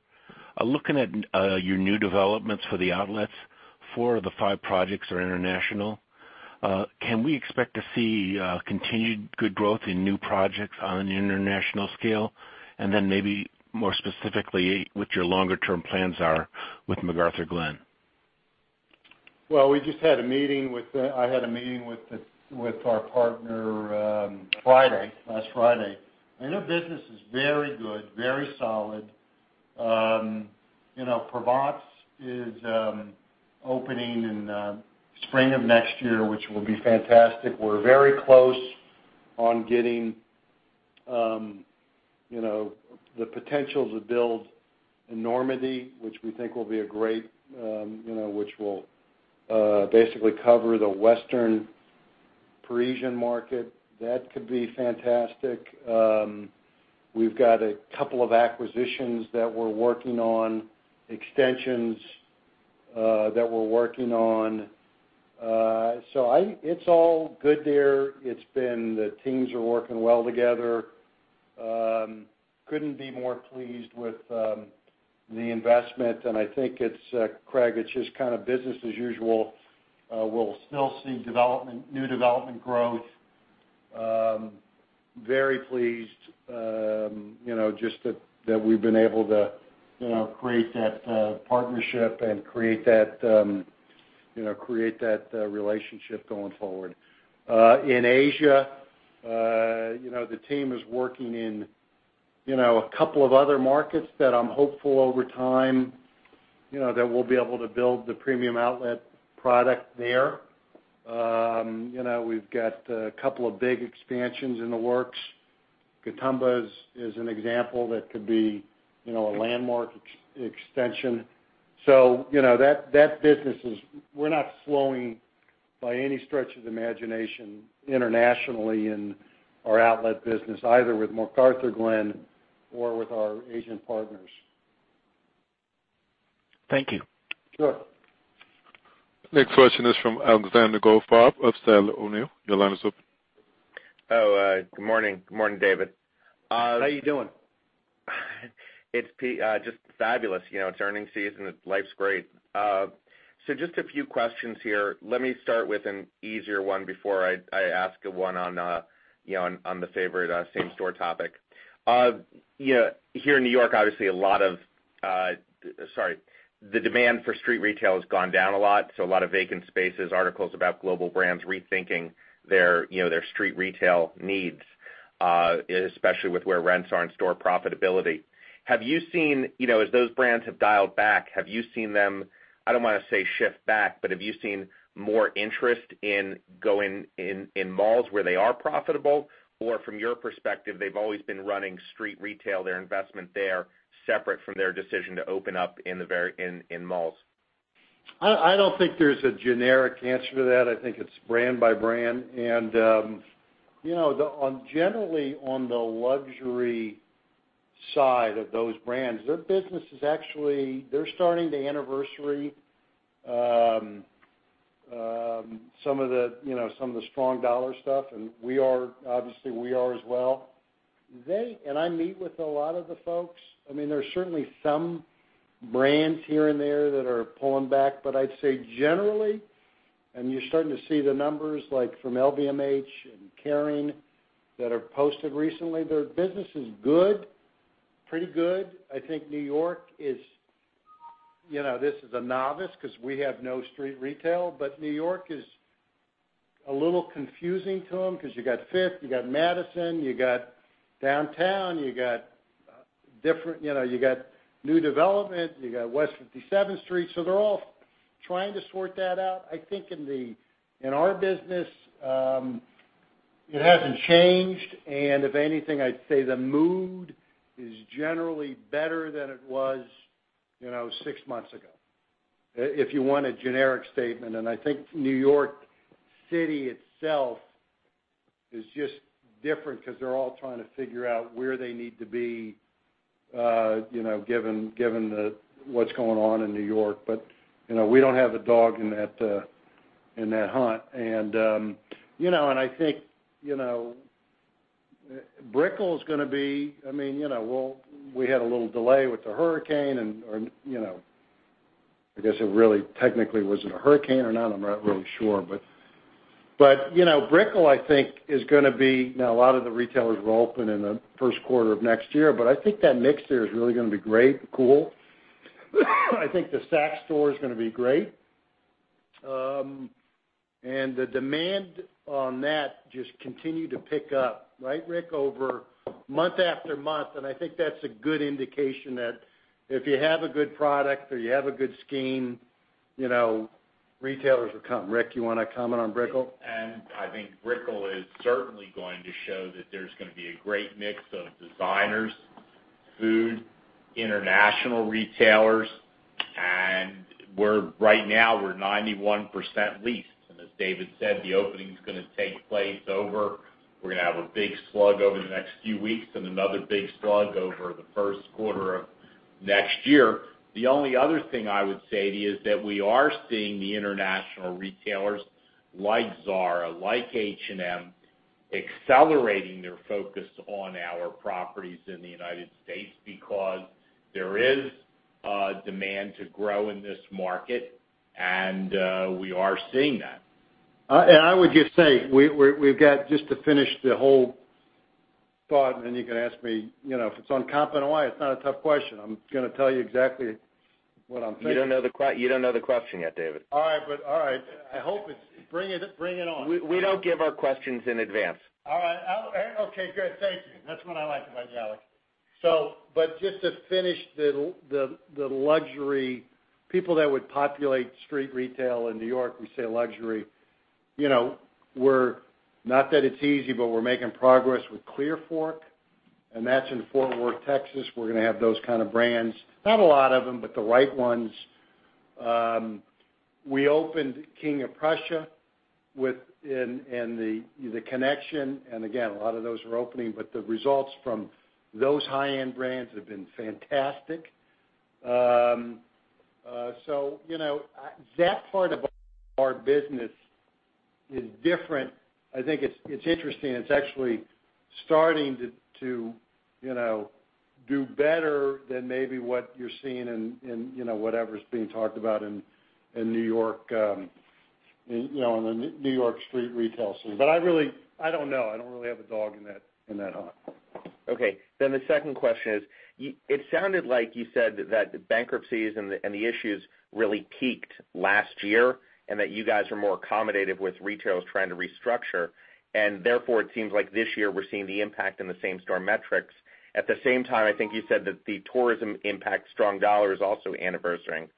Looking at your new developments for the outlets, four of the five projects are international. Can we expect to see continued good growth in new projects on an international scale? Maybe more specifically, what your longer term plans are with McArthurGlen.
Well, I had a meeting with our partner last Friday. Their business is very good, very solid. Provence is opening in spring of next year, which will be fantastic. We're very close on getting the potential to build Normandie, which will basically cover the Western Parisian market. That could be fantastic. We've got a couple of acquisitions that we're working on, extensions that we're working on. It's all good there. The teams are working well together. Couldn't be more pleased with the investment, and I think, Craig, it's just kind of business as usual. We'll still see new development growth. Very pleased just that we've been able to create that partnership and create that relationship going forward. In Asia, the team is working in two other markets that I'm hopeful over time, that we'll be able to build the premium outlet product there. We've got two big expansions in the works. Gotemba is an example that could be a landmark extension. That business, we're not slowing by any stretch of the imagination internationally in our outlet business, either with McArthurGlen or with our Asian partners.
Thank you.
Sure.
Next question is from Alexander Goldfarb of Sandler O'Neill. Your line is open.
Good morning. Good morning, David.
How you doing?
It's just fabulous. It's earning season. Life's great. Just a few questions here. Let me start with an easier one before I ask one on the favorite same-store topic. Here in New York, obviously, the demand for street retail has gone down a lot, so a lot of vacant spaces, articles about global brands rethinking their street retail needs, especially with where rents are and store profitability. As those brands have dialed back, have you seen them, I don't want to say shift back, but have you seen more interest in going in malls where they are profitable? Or from your perspective, they've always been running street retail, their investment there, separate from their decision to open up in malls?
I don't think there's a generic answer to that. I think it's brand by brand. Generally, on the luxury side of those brands, their business is actually starting to anniversary some of the strong dollar stuff, and obviously, we are as well. I meet with a lot of the folks. There are certainly some brands here and there that are pulling back. I'd say generally, and you're starting to see the numbers from LVMH and Kering that have posted recently, their business is good. Pretty good. I think New York is a novice because we have no street retail, but New York is a little confusing to them because you got Fifth, you got Madison, you got Downtown, you got new development, you got West 57th Street. They're all trying to sort that out. I think in our business, it hasn't changed. If anything, I'd say the mood is generally better than it was 6 months ago. If you want a generic statement, I think New York City itself is just different because they're all trying to figure out where they need to be given what's going on in New York. We don't have a dog in that hunt. I think Brickell is going to be. We had a little delay with the hurricane, and I guess it really technically wasn't a hurricane or not, I'm not really sure. Brickell, I think, is going to be, a lot of the retailers will open in the first quarter of next year, but I think that mix there is really going to be great and cool. I think the Saks store is going to be great. The demand on that just continued to pick up, right, Rick? Over month after month, I think that's a good indication that if you have a good product or you have a good scheme, retailers will come. Rick, you want to comment on Brickell?
I think Brickell is certainly going to show that there's going to be a great mix of designers, food, international retailers. Right now, we're 91% leased. As David said, the opening is going to take place over, we're going to have a big slug over the next few weeks and another big slug over the first quarter of next year. The only other thing I would say to you is that we are seeing the international retailers like Zara, like H&M, accelerating their focus on our properties in the U.S. because there is demand to grow in this market, and we are seeing that.
I would just say, just to finish the whole thought, then you can ask me. If it's on comp NOI, it's not a tough question. I'm going to tell you exactly what I'm thinking.
You don't know the question yet, David.
All right. Bring it on.
We don't give our questions in advance.
All right. Okay, good. Thank you. That's what I like about you, Alex. Just to finish the luxury people that would populate street retail in New York, we say luxury. Not that it's easy, but we're making progress with Clearfork, and that's in Fort Worth, Texas. We're going to have those kind of brands, not a lot of them, but the right ones. We opened King of Prussia with the connection, and again, a lot of those are opening, but the results from those high-end brands have been fantastic. That part of our business is different. I think it's interesting. It's actually starting to do better than maybe what you're seeing in whatever's being talked about in New York street retail scene. I don't know. I don't really have a dog in that hunt.
Okay. The second question is, it sounded like you said that the bankruptcies and the issues really peaked last year, and that you guys were more accommodative with retailers trying to restructure. Therefore, it seems like this year we're seeing the impact in the same-store metrics. At the same time, I think you said that the tourism impact strong dollar is also anniversarying.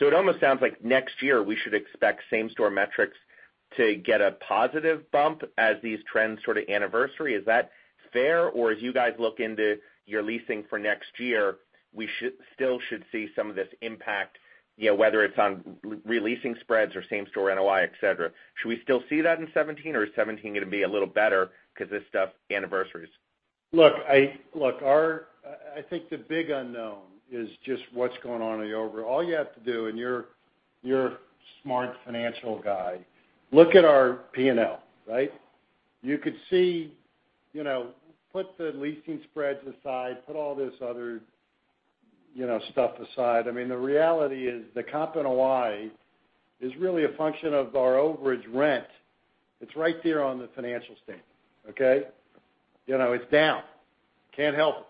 It almost sounds like next year we should expect same-store metrics to get a positive bump as these trends sort of anniversary. Is that fair? As you guys look into your leasing for next year, we still should see some of this impact, whether it's on re-leasing spreads or same-store NOI, et cetera. Should we still see that in 2017, or is 2017 going to be a little better because this stuff anniversaries?
I think the big unknown is just what's going on in the overall. You have to do, and you're a smart financial guy. Look at our P&L, right? You could see, put the leasing spreads aside, put all this other stuff aside. The reality is the comp in Hawaii is really a function of our overage rent. It's right there on the financial statement. Okay? It's down. Can't help it.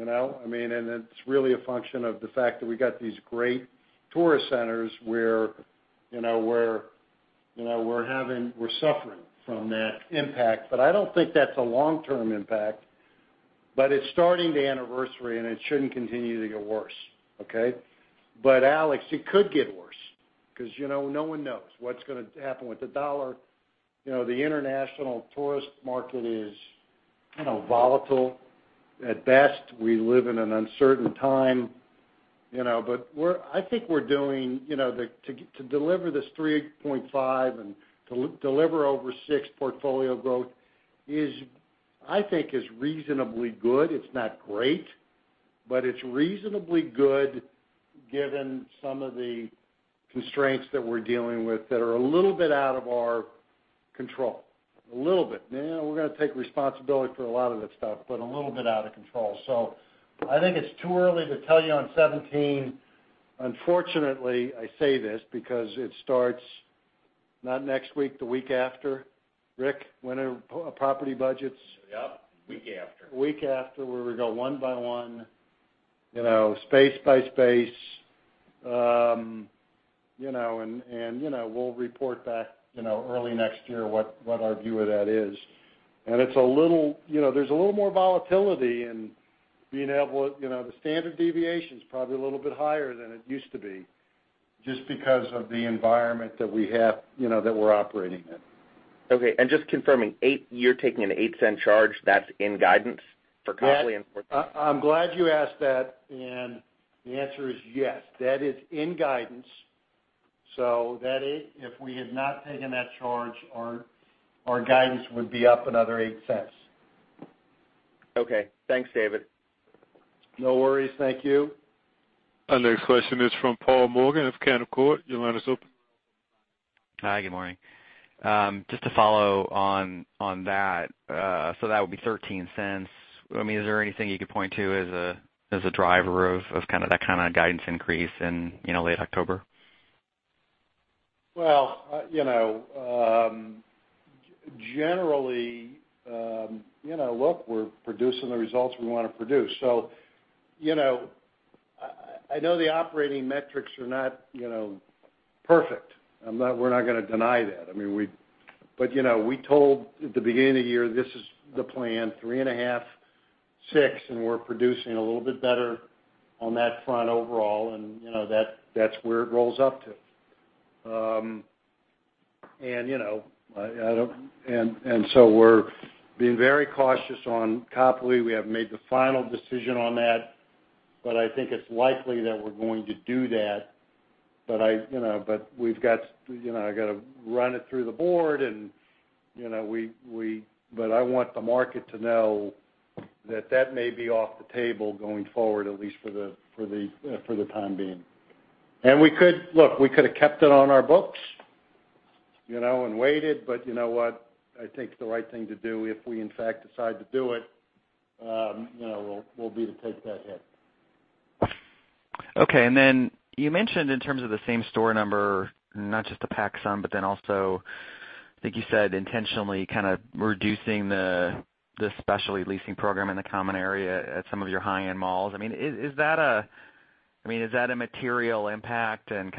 It's really a function of the fact that we got these great tourist centers where we're suffering from that impact. I don't think that's a long-term impact, but it's starting to anniversary, and it shouldn't continue to get worse. Okay? Alex, it could get worse because no one knows what's going to happen with the dollar. The international tourist market is volatile at best. We live in an uncertain time. I think we're doing to deliver this 3.5 and to deliver over six portfolio growth is, I think, reasonably good. It's not great, but it's reasonably good given some of the constraints that we're dealing with that are a little bit out of our control. A little bit. We're going to take responsibility for a lot of that stuff, but a little bit out of control. I think it's too early to tell you on 2017. Unfortunately, I say this because it starts not next week, the week after. Rick, when are property budgets?
Yep. Week after.
Week after, where we go one by one, space by space. We'll report back early next year what our view of that is. There's a little more volatility in the standard deviation's probably a little bit higher than it used to be, just because of the environment that we're operating in.
Just confirming, you're taking an $0.08 charge that's in guidance for Copley and-
I'm glad you asked that. The answer is yes, that is in guidance. That $0.08, if we had not taken that charge, our guidance would be up another $0.08.
Okay. Thanks, David.
No worries. Thank you.
Our next question is from Paul Morgan of Canaccord. Your line is open.
Hi, good morning. Just to follow on that would be $0.13. Is there anything you could point to as a driver of that kind of guidance increase in late October?
Well, generally, look, we're producing the results we want to produce. I know the operating metrics are not perfect. We're not going to deny that. We told at the beginning of the year, this is the plan, three and a half, six, and we're producing a little bit better on that front overall, and that's where it rolls up to. We're being very cautious on Copley. We haven't made the final decision on that, I think it's likely that we're going to do that. I've got to run it through the board, I want the market to know that may be off the table going forward, at least for the time being. Look, we could have kept it on our books, and waited, but you know what, I think the right thing to do, if we in fact decide to do it, will be to take that hit.
Okay. You mentioned in terms of the same store number, not just to PacSun, but then also, I think you said intentionally kind of reducing the specialty leasing program in the common area at some of your high-end malls. Is that a material impact, and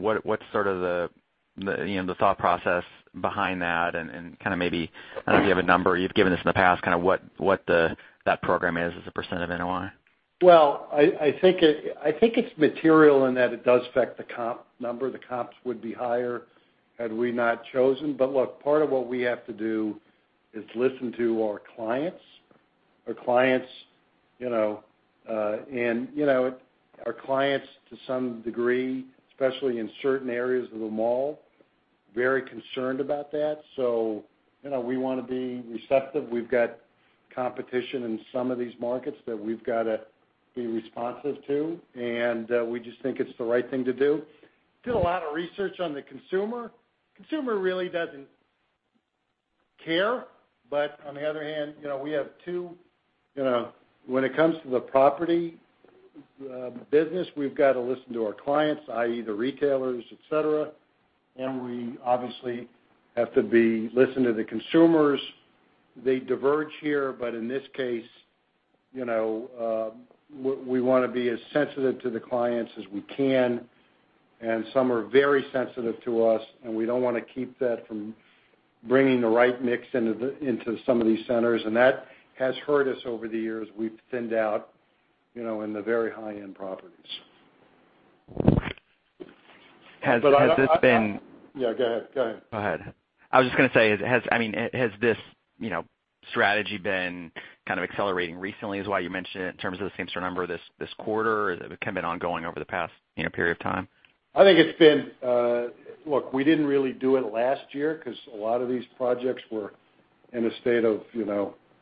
what's sort of the thought process behind that, and kind of maybe, I don't know if you have a number, you've given this in the past, kind of what that program is as a percent of NOI?
Well, I think it's material in that it does affect the comp number. The comps would be higher had we not chosen. Look, part of what we have to do is listen to our clients. Our clients, to some degree, especially in certain areas of the mall, very concerned about that. We want to be receptive. We've got competition in some of these markets that we've got to be responsive to, and we just think it's the right thing to do. Did a lot of research on the consumer. Consumer really doesn't care. On the other hand, when it comes to the property business, we've got to listen to our clients, i.e., the retailers, et cetera, and we obviously have to listen to the consumers. They diverge here, but in this case, we want to be as sensitive to the clients as we can, and some are very sensitive to us, and we don't want to keep that from bringing the right mix into some of these centers. That has hurt us over the years. We've thinned out in the very high-end properties.
Has this been?
Yeah, go ahead.
Go ahead. I was just going to say, has this strategy been kind of accelerating recently, is why you mentioned it in terms of the same store number this quarter? Has it kind of been ongoing over the past period of time?
I think it's been Look, we didn't really do it last year because a lot of these projects were in a state of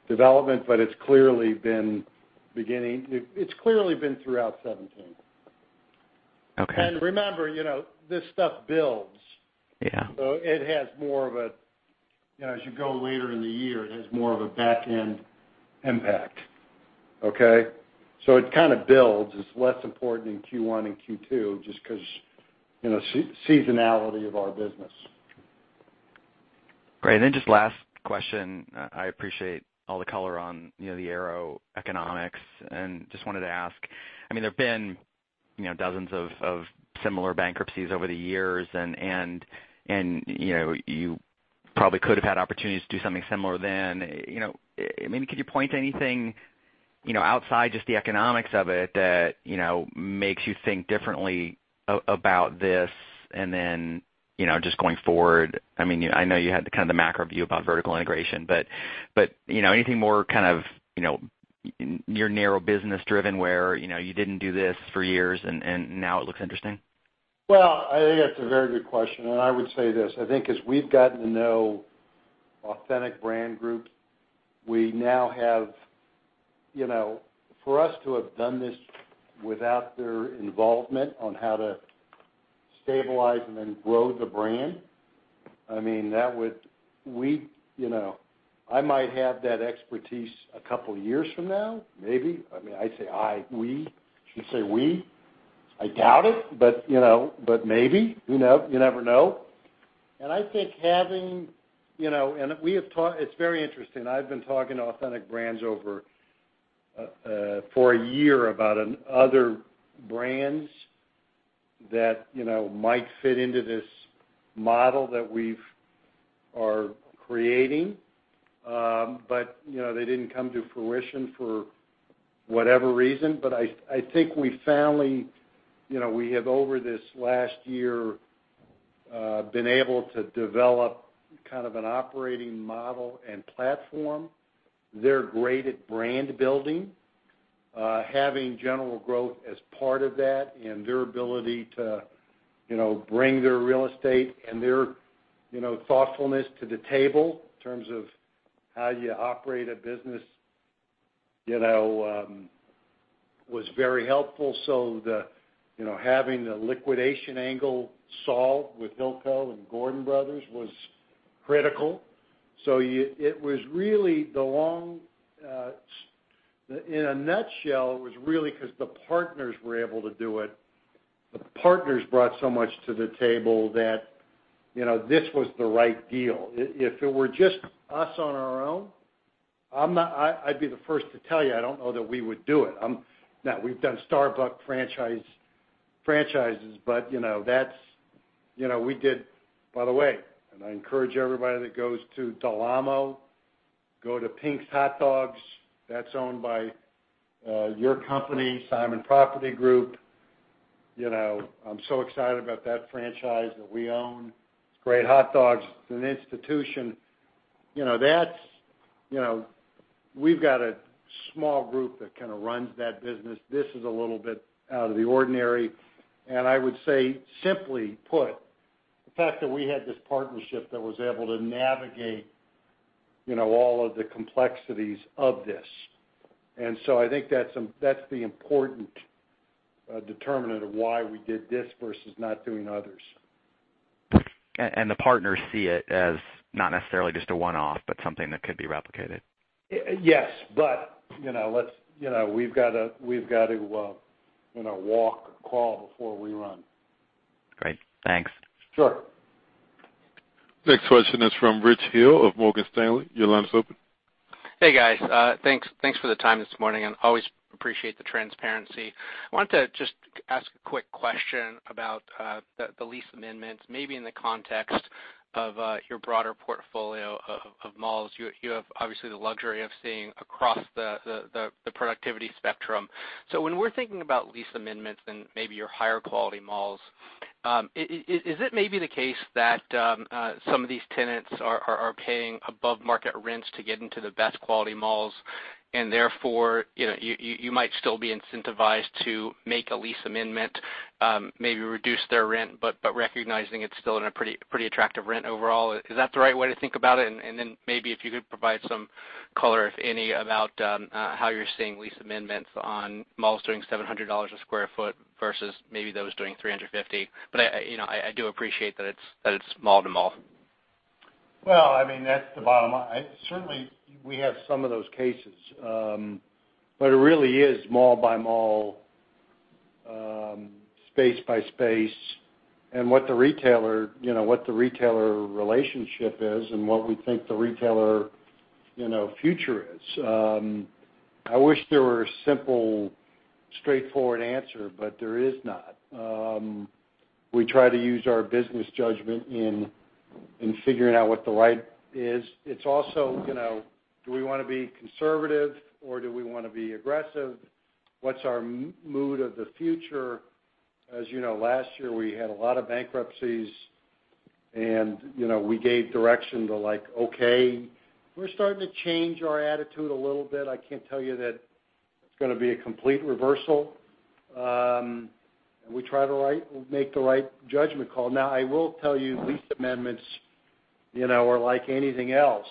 development, it's clearly been throughout 2016.
Okay.
Remember, this stuff builds.
Yeah.
As you go later in the year, it has more of a back-end impact. Okay. It kind of builds. It's less important in Q1 and Q2, just because seasonality of our business.
Great. Just last question. I appreciate all the color on the Aero economics, just wanted to ask. There've been dozens of similar bankruptcies over the years, and you probably could have had opportunities to do something similar then. Maybe could you point to anything, outside just the economics of it, that makes you think differently about this, and then just going forward. I know you had the kind of the macro view about vertical integration. Anything more kind of, your narrow business driven, where you didn't do this for years, and now it looks interesting?
I think that's a very good question, and I would say this. I think as we've gotten to know Authentic Brands Group, for us to have done this without their involvement on how to stabilize and then grow the brand, I might have that expertise a couple years from now, maybe. I say I, we. Should say we. I doubt it, but maybe. You never know. It's very interesting. I've been talking to Authentic Brands for a year about other brands that might fit into this model that we are creating. They didn't come to fruition for whatever reason. I think we finally, we have over this last year, been able to develop kind of an operating model and platform. They're great at brand building. Having General Growth as part of that and their ability to bring their real estate and their thoughtfulness to the table in terms of how you operate a business, was very helpful. Having the liquidation angle solved with Hilco and Gordon Brothers was critical. In a nutshell, it was really because the partners were able to do it. The partners brought so much to the table that this was the right deal. If it were just us on our own, I'd be the first to tell you, I don't know that we would do it. We've done Starbucks franchises, but we did By the way, I encourage everybody that goes to Del Amo, go to Pink's Hot Dogs. That's owned by your company, Simon Property Group. I'm so excited about that franchise that we own. It's great hot dogs. It's an institution. We've got a small group that kind of runs that business. This is a little bit out of the ordinary, and I would say, simply put, the fact that we had this partnership that was able to navigate all of the complexities of this. I think that's the important determinant of why we did this versus not doing others.
The partners see it as not necessarily just a one-off, but something that could be replicated.
Yes, we've got to walk the crawl before we run.
Great, thanks.
Sure.
Next question is from Rich Hill of Morgan Stanley. Your line is open.
Hey, guys. Thanks for the time this morning. Always appreciate the transparency. I wanted to just ask a quick question about the lease amendments, maybe in the context of your broader portfolio of malls. You have, obviously, the luxury of seeing across the productivity spectrum. When we're thinking about lease amendments and maybe your higher quality malls, is it maybe the case that some of these tenants are paying above-market rents to get into the best quality malls, and therefore, you might still be incentivized to make a lease amendment, maybe reduce their rent, but recognizing it's still in a pretty attractive rent overall? Is that the right way to think about it? Then maybe if you could provide some color, if any, about how you're seeing lease amendments on malls doing $700 a square foot versus maybe those doing $350. I do appreciate that it's mall to mall.
Well, that's the bottom line. Certainly, we have some of those cases. It really is mall by mall, space by space, and what the retailer relationship is and what we think the retailer future is. I wish there were a simple, straightforward answer, but there is not. We try to use our business judgment in figuring out what the right is. It's also, do we want to be conservative or do we want to be aggressive? What's our mood of the future? As you know, last year, we had a lot of bankruptcies, and we gave direction to like, okay, we're starting to change our attitude a little bit. I can't tell you that it's going to be a complete reversal. We try to make the right judgment call. I will tell you, lease amendments are like anything else.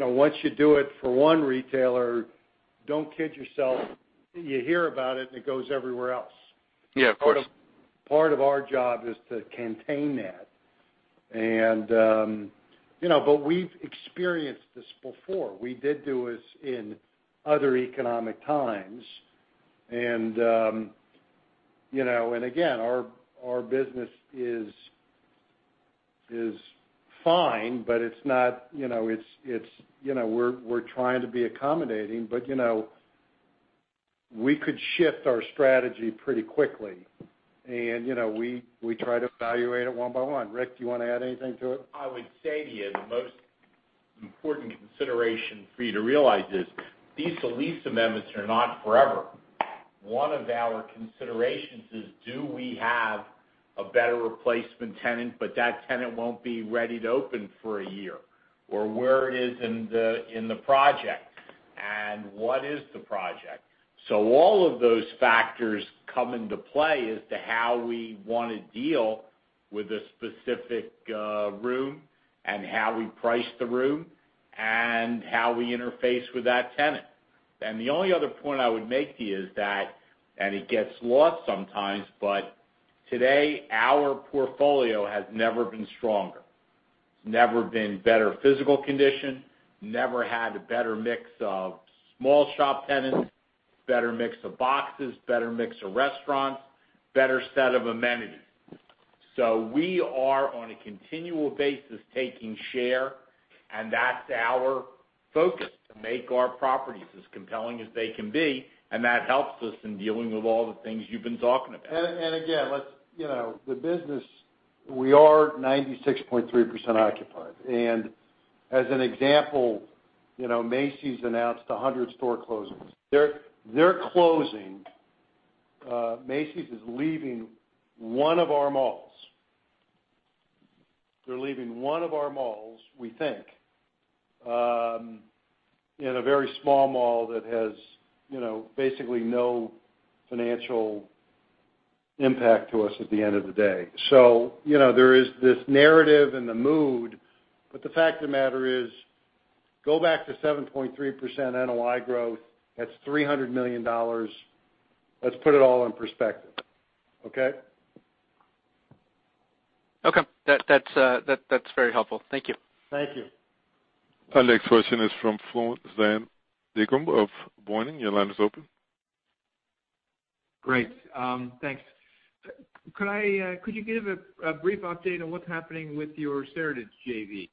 Once you do it for one retailer, don't kid yourself. You hear about it goes everywhere else.
Yeah, of course.
Part of our job is to contain that. We've experienced this before. We did do this in other economic times. Again, our business is fine. We're trying to be accommodating, but we could shift our strategy pretty quickly, and we try to evaluate it one by one. Rick, do you want to add anything to it?
I would say to you, the most important consideration for you to realize is these lease amendments are not forever. One of our considerations is do we have a better replacement tenant, but that tenant won't be ready to open for a year? Where it is in the project, and what is the project? All of those factors come into play as to how we want to deal with a specific room and how we price the room and how we interface with that tenant. The only other point I would make to you is that, and it gets lost sometimes, but today, our portfolio has never been stronger. It's never been in better physical condition, never had a better mix of small shop tenants, better mix of boxes, better mix of restaurants, better set of amenities. We are on a continual basis taking share, and that's our focus, to make our properties as compelling as they can be, and that helps us in dealing with all the things you've been talking about.
Again, the business, we are 96.3% occupied. As an example, Macy's announced 100 store closings. They're closing. Macy's is leaving one of our malls. They're leaving one of our malls, we think, in a very small mall that has basically no financial impact to us at the end of the day. There is this narrative and the mood, but the fact of the matter is go back to 7.3% NOI growth. That's $300 million. Let's put it all in perspective. Okay?
Okay. That's very helpful. Thank you.
Thank you.
Our next question is from Floris van Dijkum of Boenning & Scattergood. Your line is open.
Great. Thanks. Could you give a brief update on what's happening with your Seritage JV?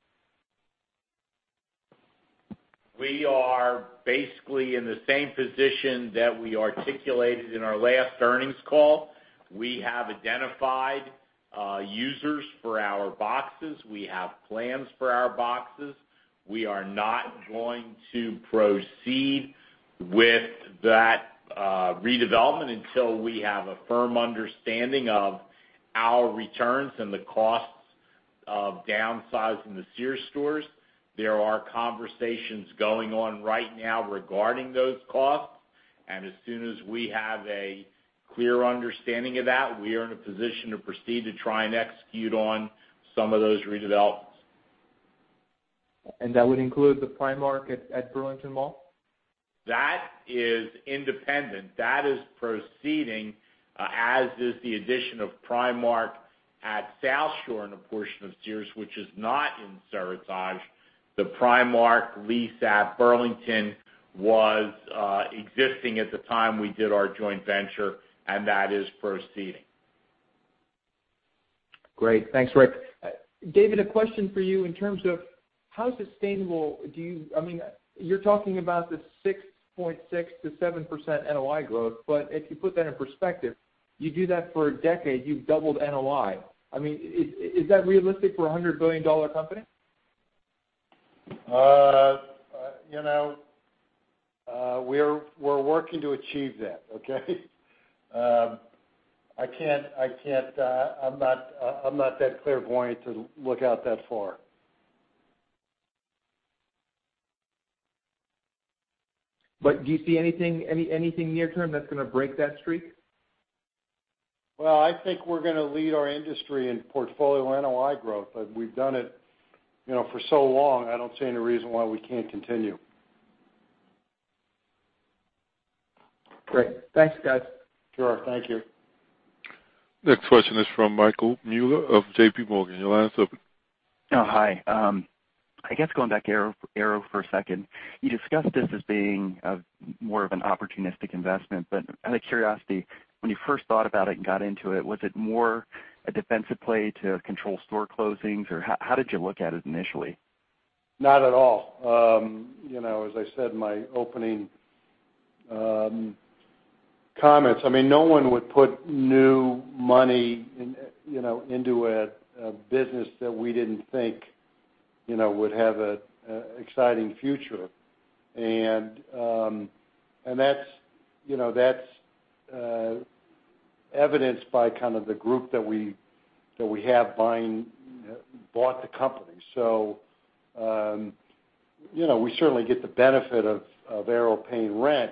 We are basically in the same position that we articulated in our last earnings call. We have identified users for our boxes. We have plans for our boxes. We are not going to proceed with that redevelopment until we have a firm understanding of our returns and the costs of downsizing the Sears stores. There are conversations going on right now regarding those costs, as soon as we have a clear understanding of that, we are in a position to proceed to try and execute on some of those redevelopments.
That would include the Primark at Burlington Mall?
That is independent. That is proceeding, as is the addition of Primark at South Shore in a portion of Sears, which is not in Seritage. The Primark lease at Burlington was existing at the time we did our joint venture. That is proceeding.
Great. Thanks, Rick. David, a question for you in terms of how sustainable you're talking about this 6.6%-7% NOI growth. If you put that in perspective, you do that for a decade, you've doubled NOI. Is that realistic for a $100 billion company?
We're working to achieve that. Okay? I'm not that clairvoyant to look out that far.
Do you see anything near term that's going to break that streak?
I think we're going to lead our industry in portfolio NOI growth. We've done it for so long, I don't see any reason why we can't continue.
Great. Thanks, guys.
Sure. Thank you.
Next question is from Michael Mueller of J.P. Morgan. Your line's open.
Hi. I guess going back to Aero for a second, you discussed this as being more of an opportunistic investment. Out of curiosity, when you first thought about it and got into it, was it more a defensive play to control store closings, or how did you look at it initially?
Not at all. As I said in my opening comments, no one would put new money into a business that we didn't think would have an exciting future. That's evidenced by kind of the group that we have bought the company. We certainly get the benefit of Aero paying rent,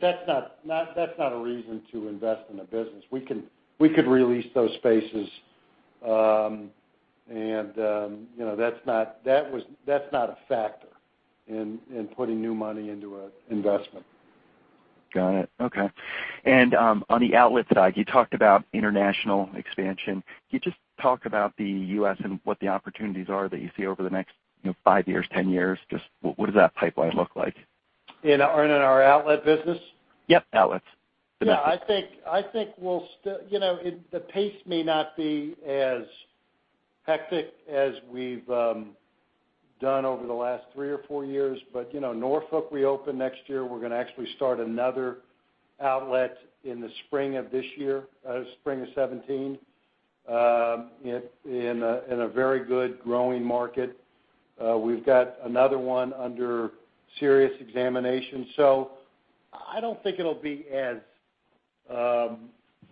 that's not a reason to invest in a business. We could release those spaces, that's not a factor in putting new money into an investment.
Got it. Okay. On the outlet side, you talked about international expansion. Can you just talk about the U.S. and what the opportunities are that you see over the next five years, 10 years? Just what does that pipeline look like?
In our outlet business?
Yep, outlets. The business.
Yeah, I think the pace may not be as hectic as we've done over the last three or four years. Norfolk we open next year. We're going to actually start another outlet in the spring of this year, spring of 2017, in a very good growing market. We've got another one under serious examination. I don't think it'll be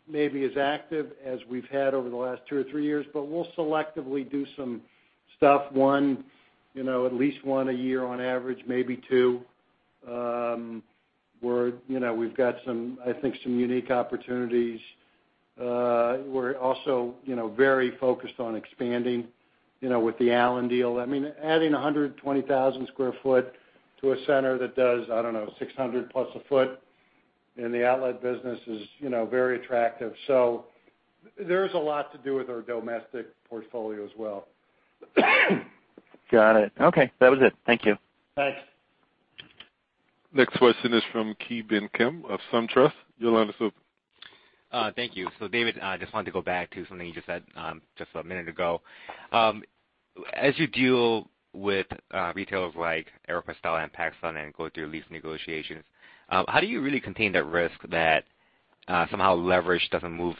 maybe as active as we've had over the last two or three years, but we'll selectively do some stuff. At least one a year on average, maybe two. We've got, I think, some unique opportunities. We're also very focused on expanding with the Allen deal. Adding 120,000 sq ft to a center that does, I don't know, $600 plus a sq ft in the outlet business is very attractive. There's a lot to do with our domestic portfolio as well.
Got it. Okay. That was it. Thank you.
Thanks.
Next question is from Ki Bin Kim of SunTrust. Your line is open.
Thank you. David, I just wanted to go back to something you just said just a minute ago. As you deal with retailers like Aéropostale and PacSun and go through lease negotiations, how do you really contain that risk that somehow leverage doesn't move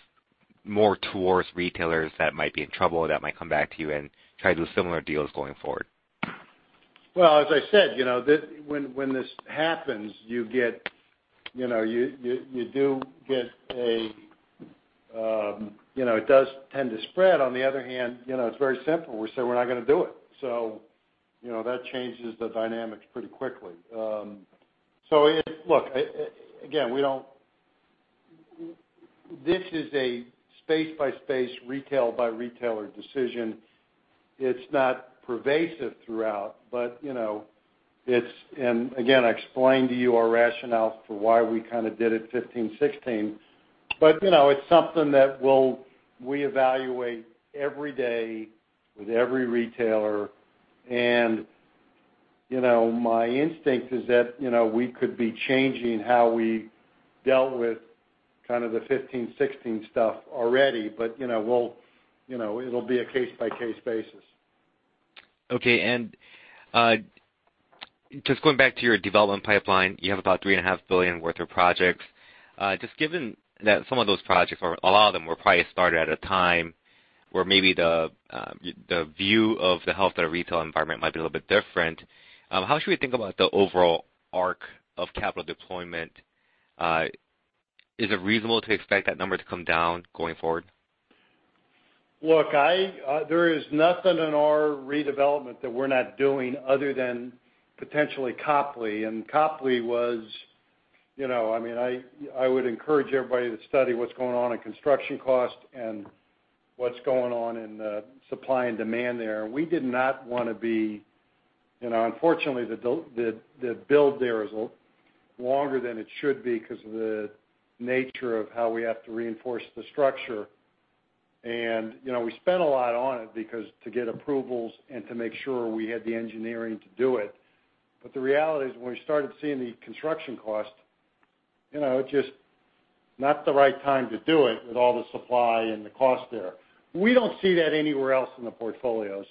more towards retailers that might be in trouble, that might come back to you and try to do similar deals going forward?
Well, as I said, when this happens, it does tend to spread. On the other hand, it's very simple. We say we're not going to do it. That changes the dynamics pretty quickly. Look, again, this is a space by space, retail by retailer decision. It's not pervasive throughout. And again, I explained to you our rationale for why we kind of did it 2015, 2016. It's something that we evaluate every day with every retailer. My instinct is that we could be changing how we dealt with kind of the 2015, 2016 stuff already. It'll be a case by case basis.
Okay. Just going back to your development pipeline, you have about three and a half billion worth of projects. Just given that some of those projects, or a lot of them, were probably started at a time where maybe the view of the health of the retail environment might be a little bit different. How should we think about the overall arc of capital deployment? Is it reasonable to expect that number to come down going forward?
Look, there is nothing in our redevelopment that we're not doing other than potentially Copley. I would encourage everybody to study what's going on in construction cost and what's going on in the supply and demand there. We did not want to be unfortunately, the build there is longer than it should be because of the nature of how we have to reinforce the structure. We spent a lot on it to get approvals and to make sure we had the engineering to do it. The reality is, when we started seeing the construction cost, just not the right time to do it with all the supply and the cost there. We don't see that anywhere else in the portfolio.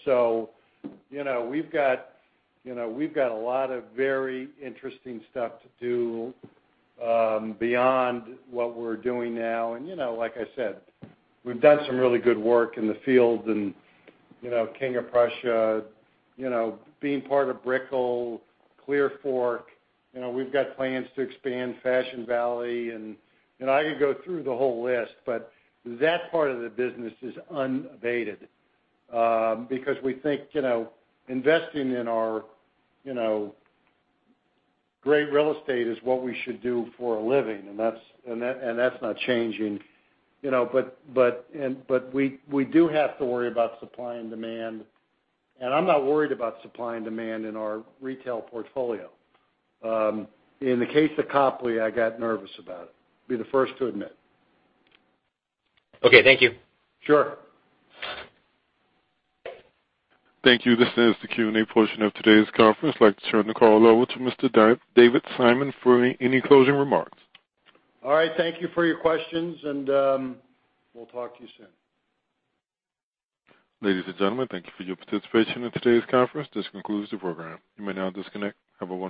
We've got a lot of very interesting stuff to do, beyond what we're doing now. Like I said, we've done some really good work in the field in King of Prussia, being part of Brickell, Clearfork. We've got plans to expand Fashion Valley, I could go through the whole list, but that part of the business is unabated. We think investing in our great real estate is what we should do for a living. That's not changing. We do have to worry about supply and demand, I'm not worried about supply and demand in our retail portfolio. In the case of Copley, I got nervous about it. Be the first to admit.
Okay. Thank you.
Sure.
Thank you. This ends the Q&A portion of today's conference. I'd like to turn the call over to Mr. David Simon for any closing remarks.
All right. Thank you for your questions, we'll talk to you soon.
Ladies and gentlemen, thank you for your participation in today's conference. This concludes the program. You may now disconnect. Have a wonderful day.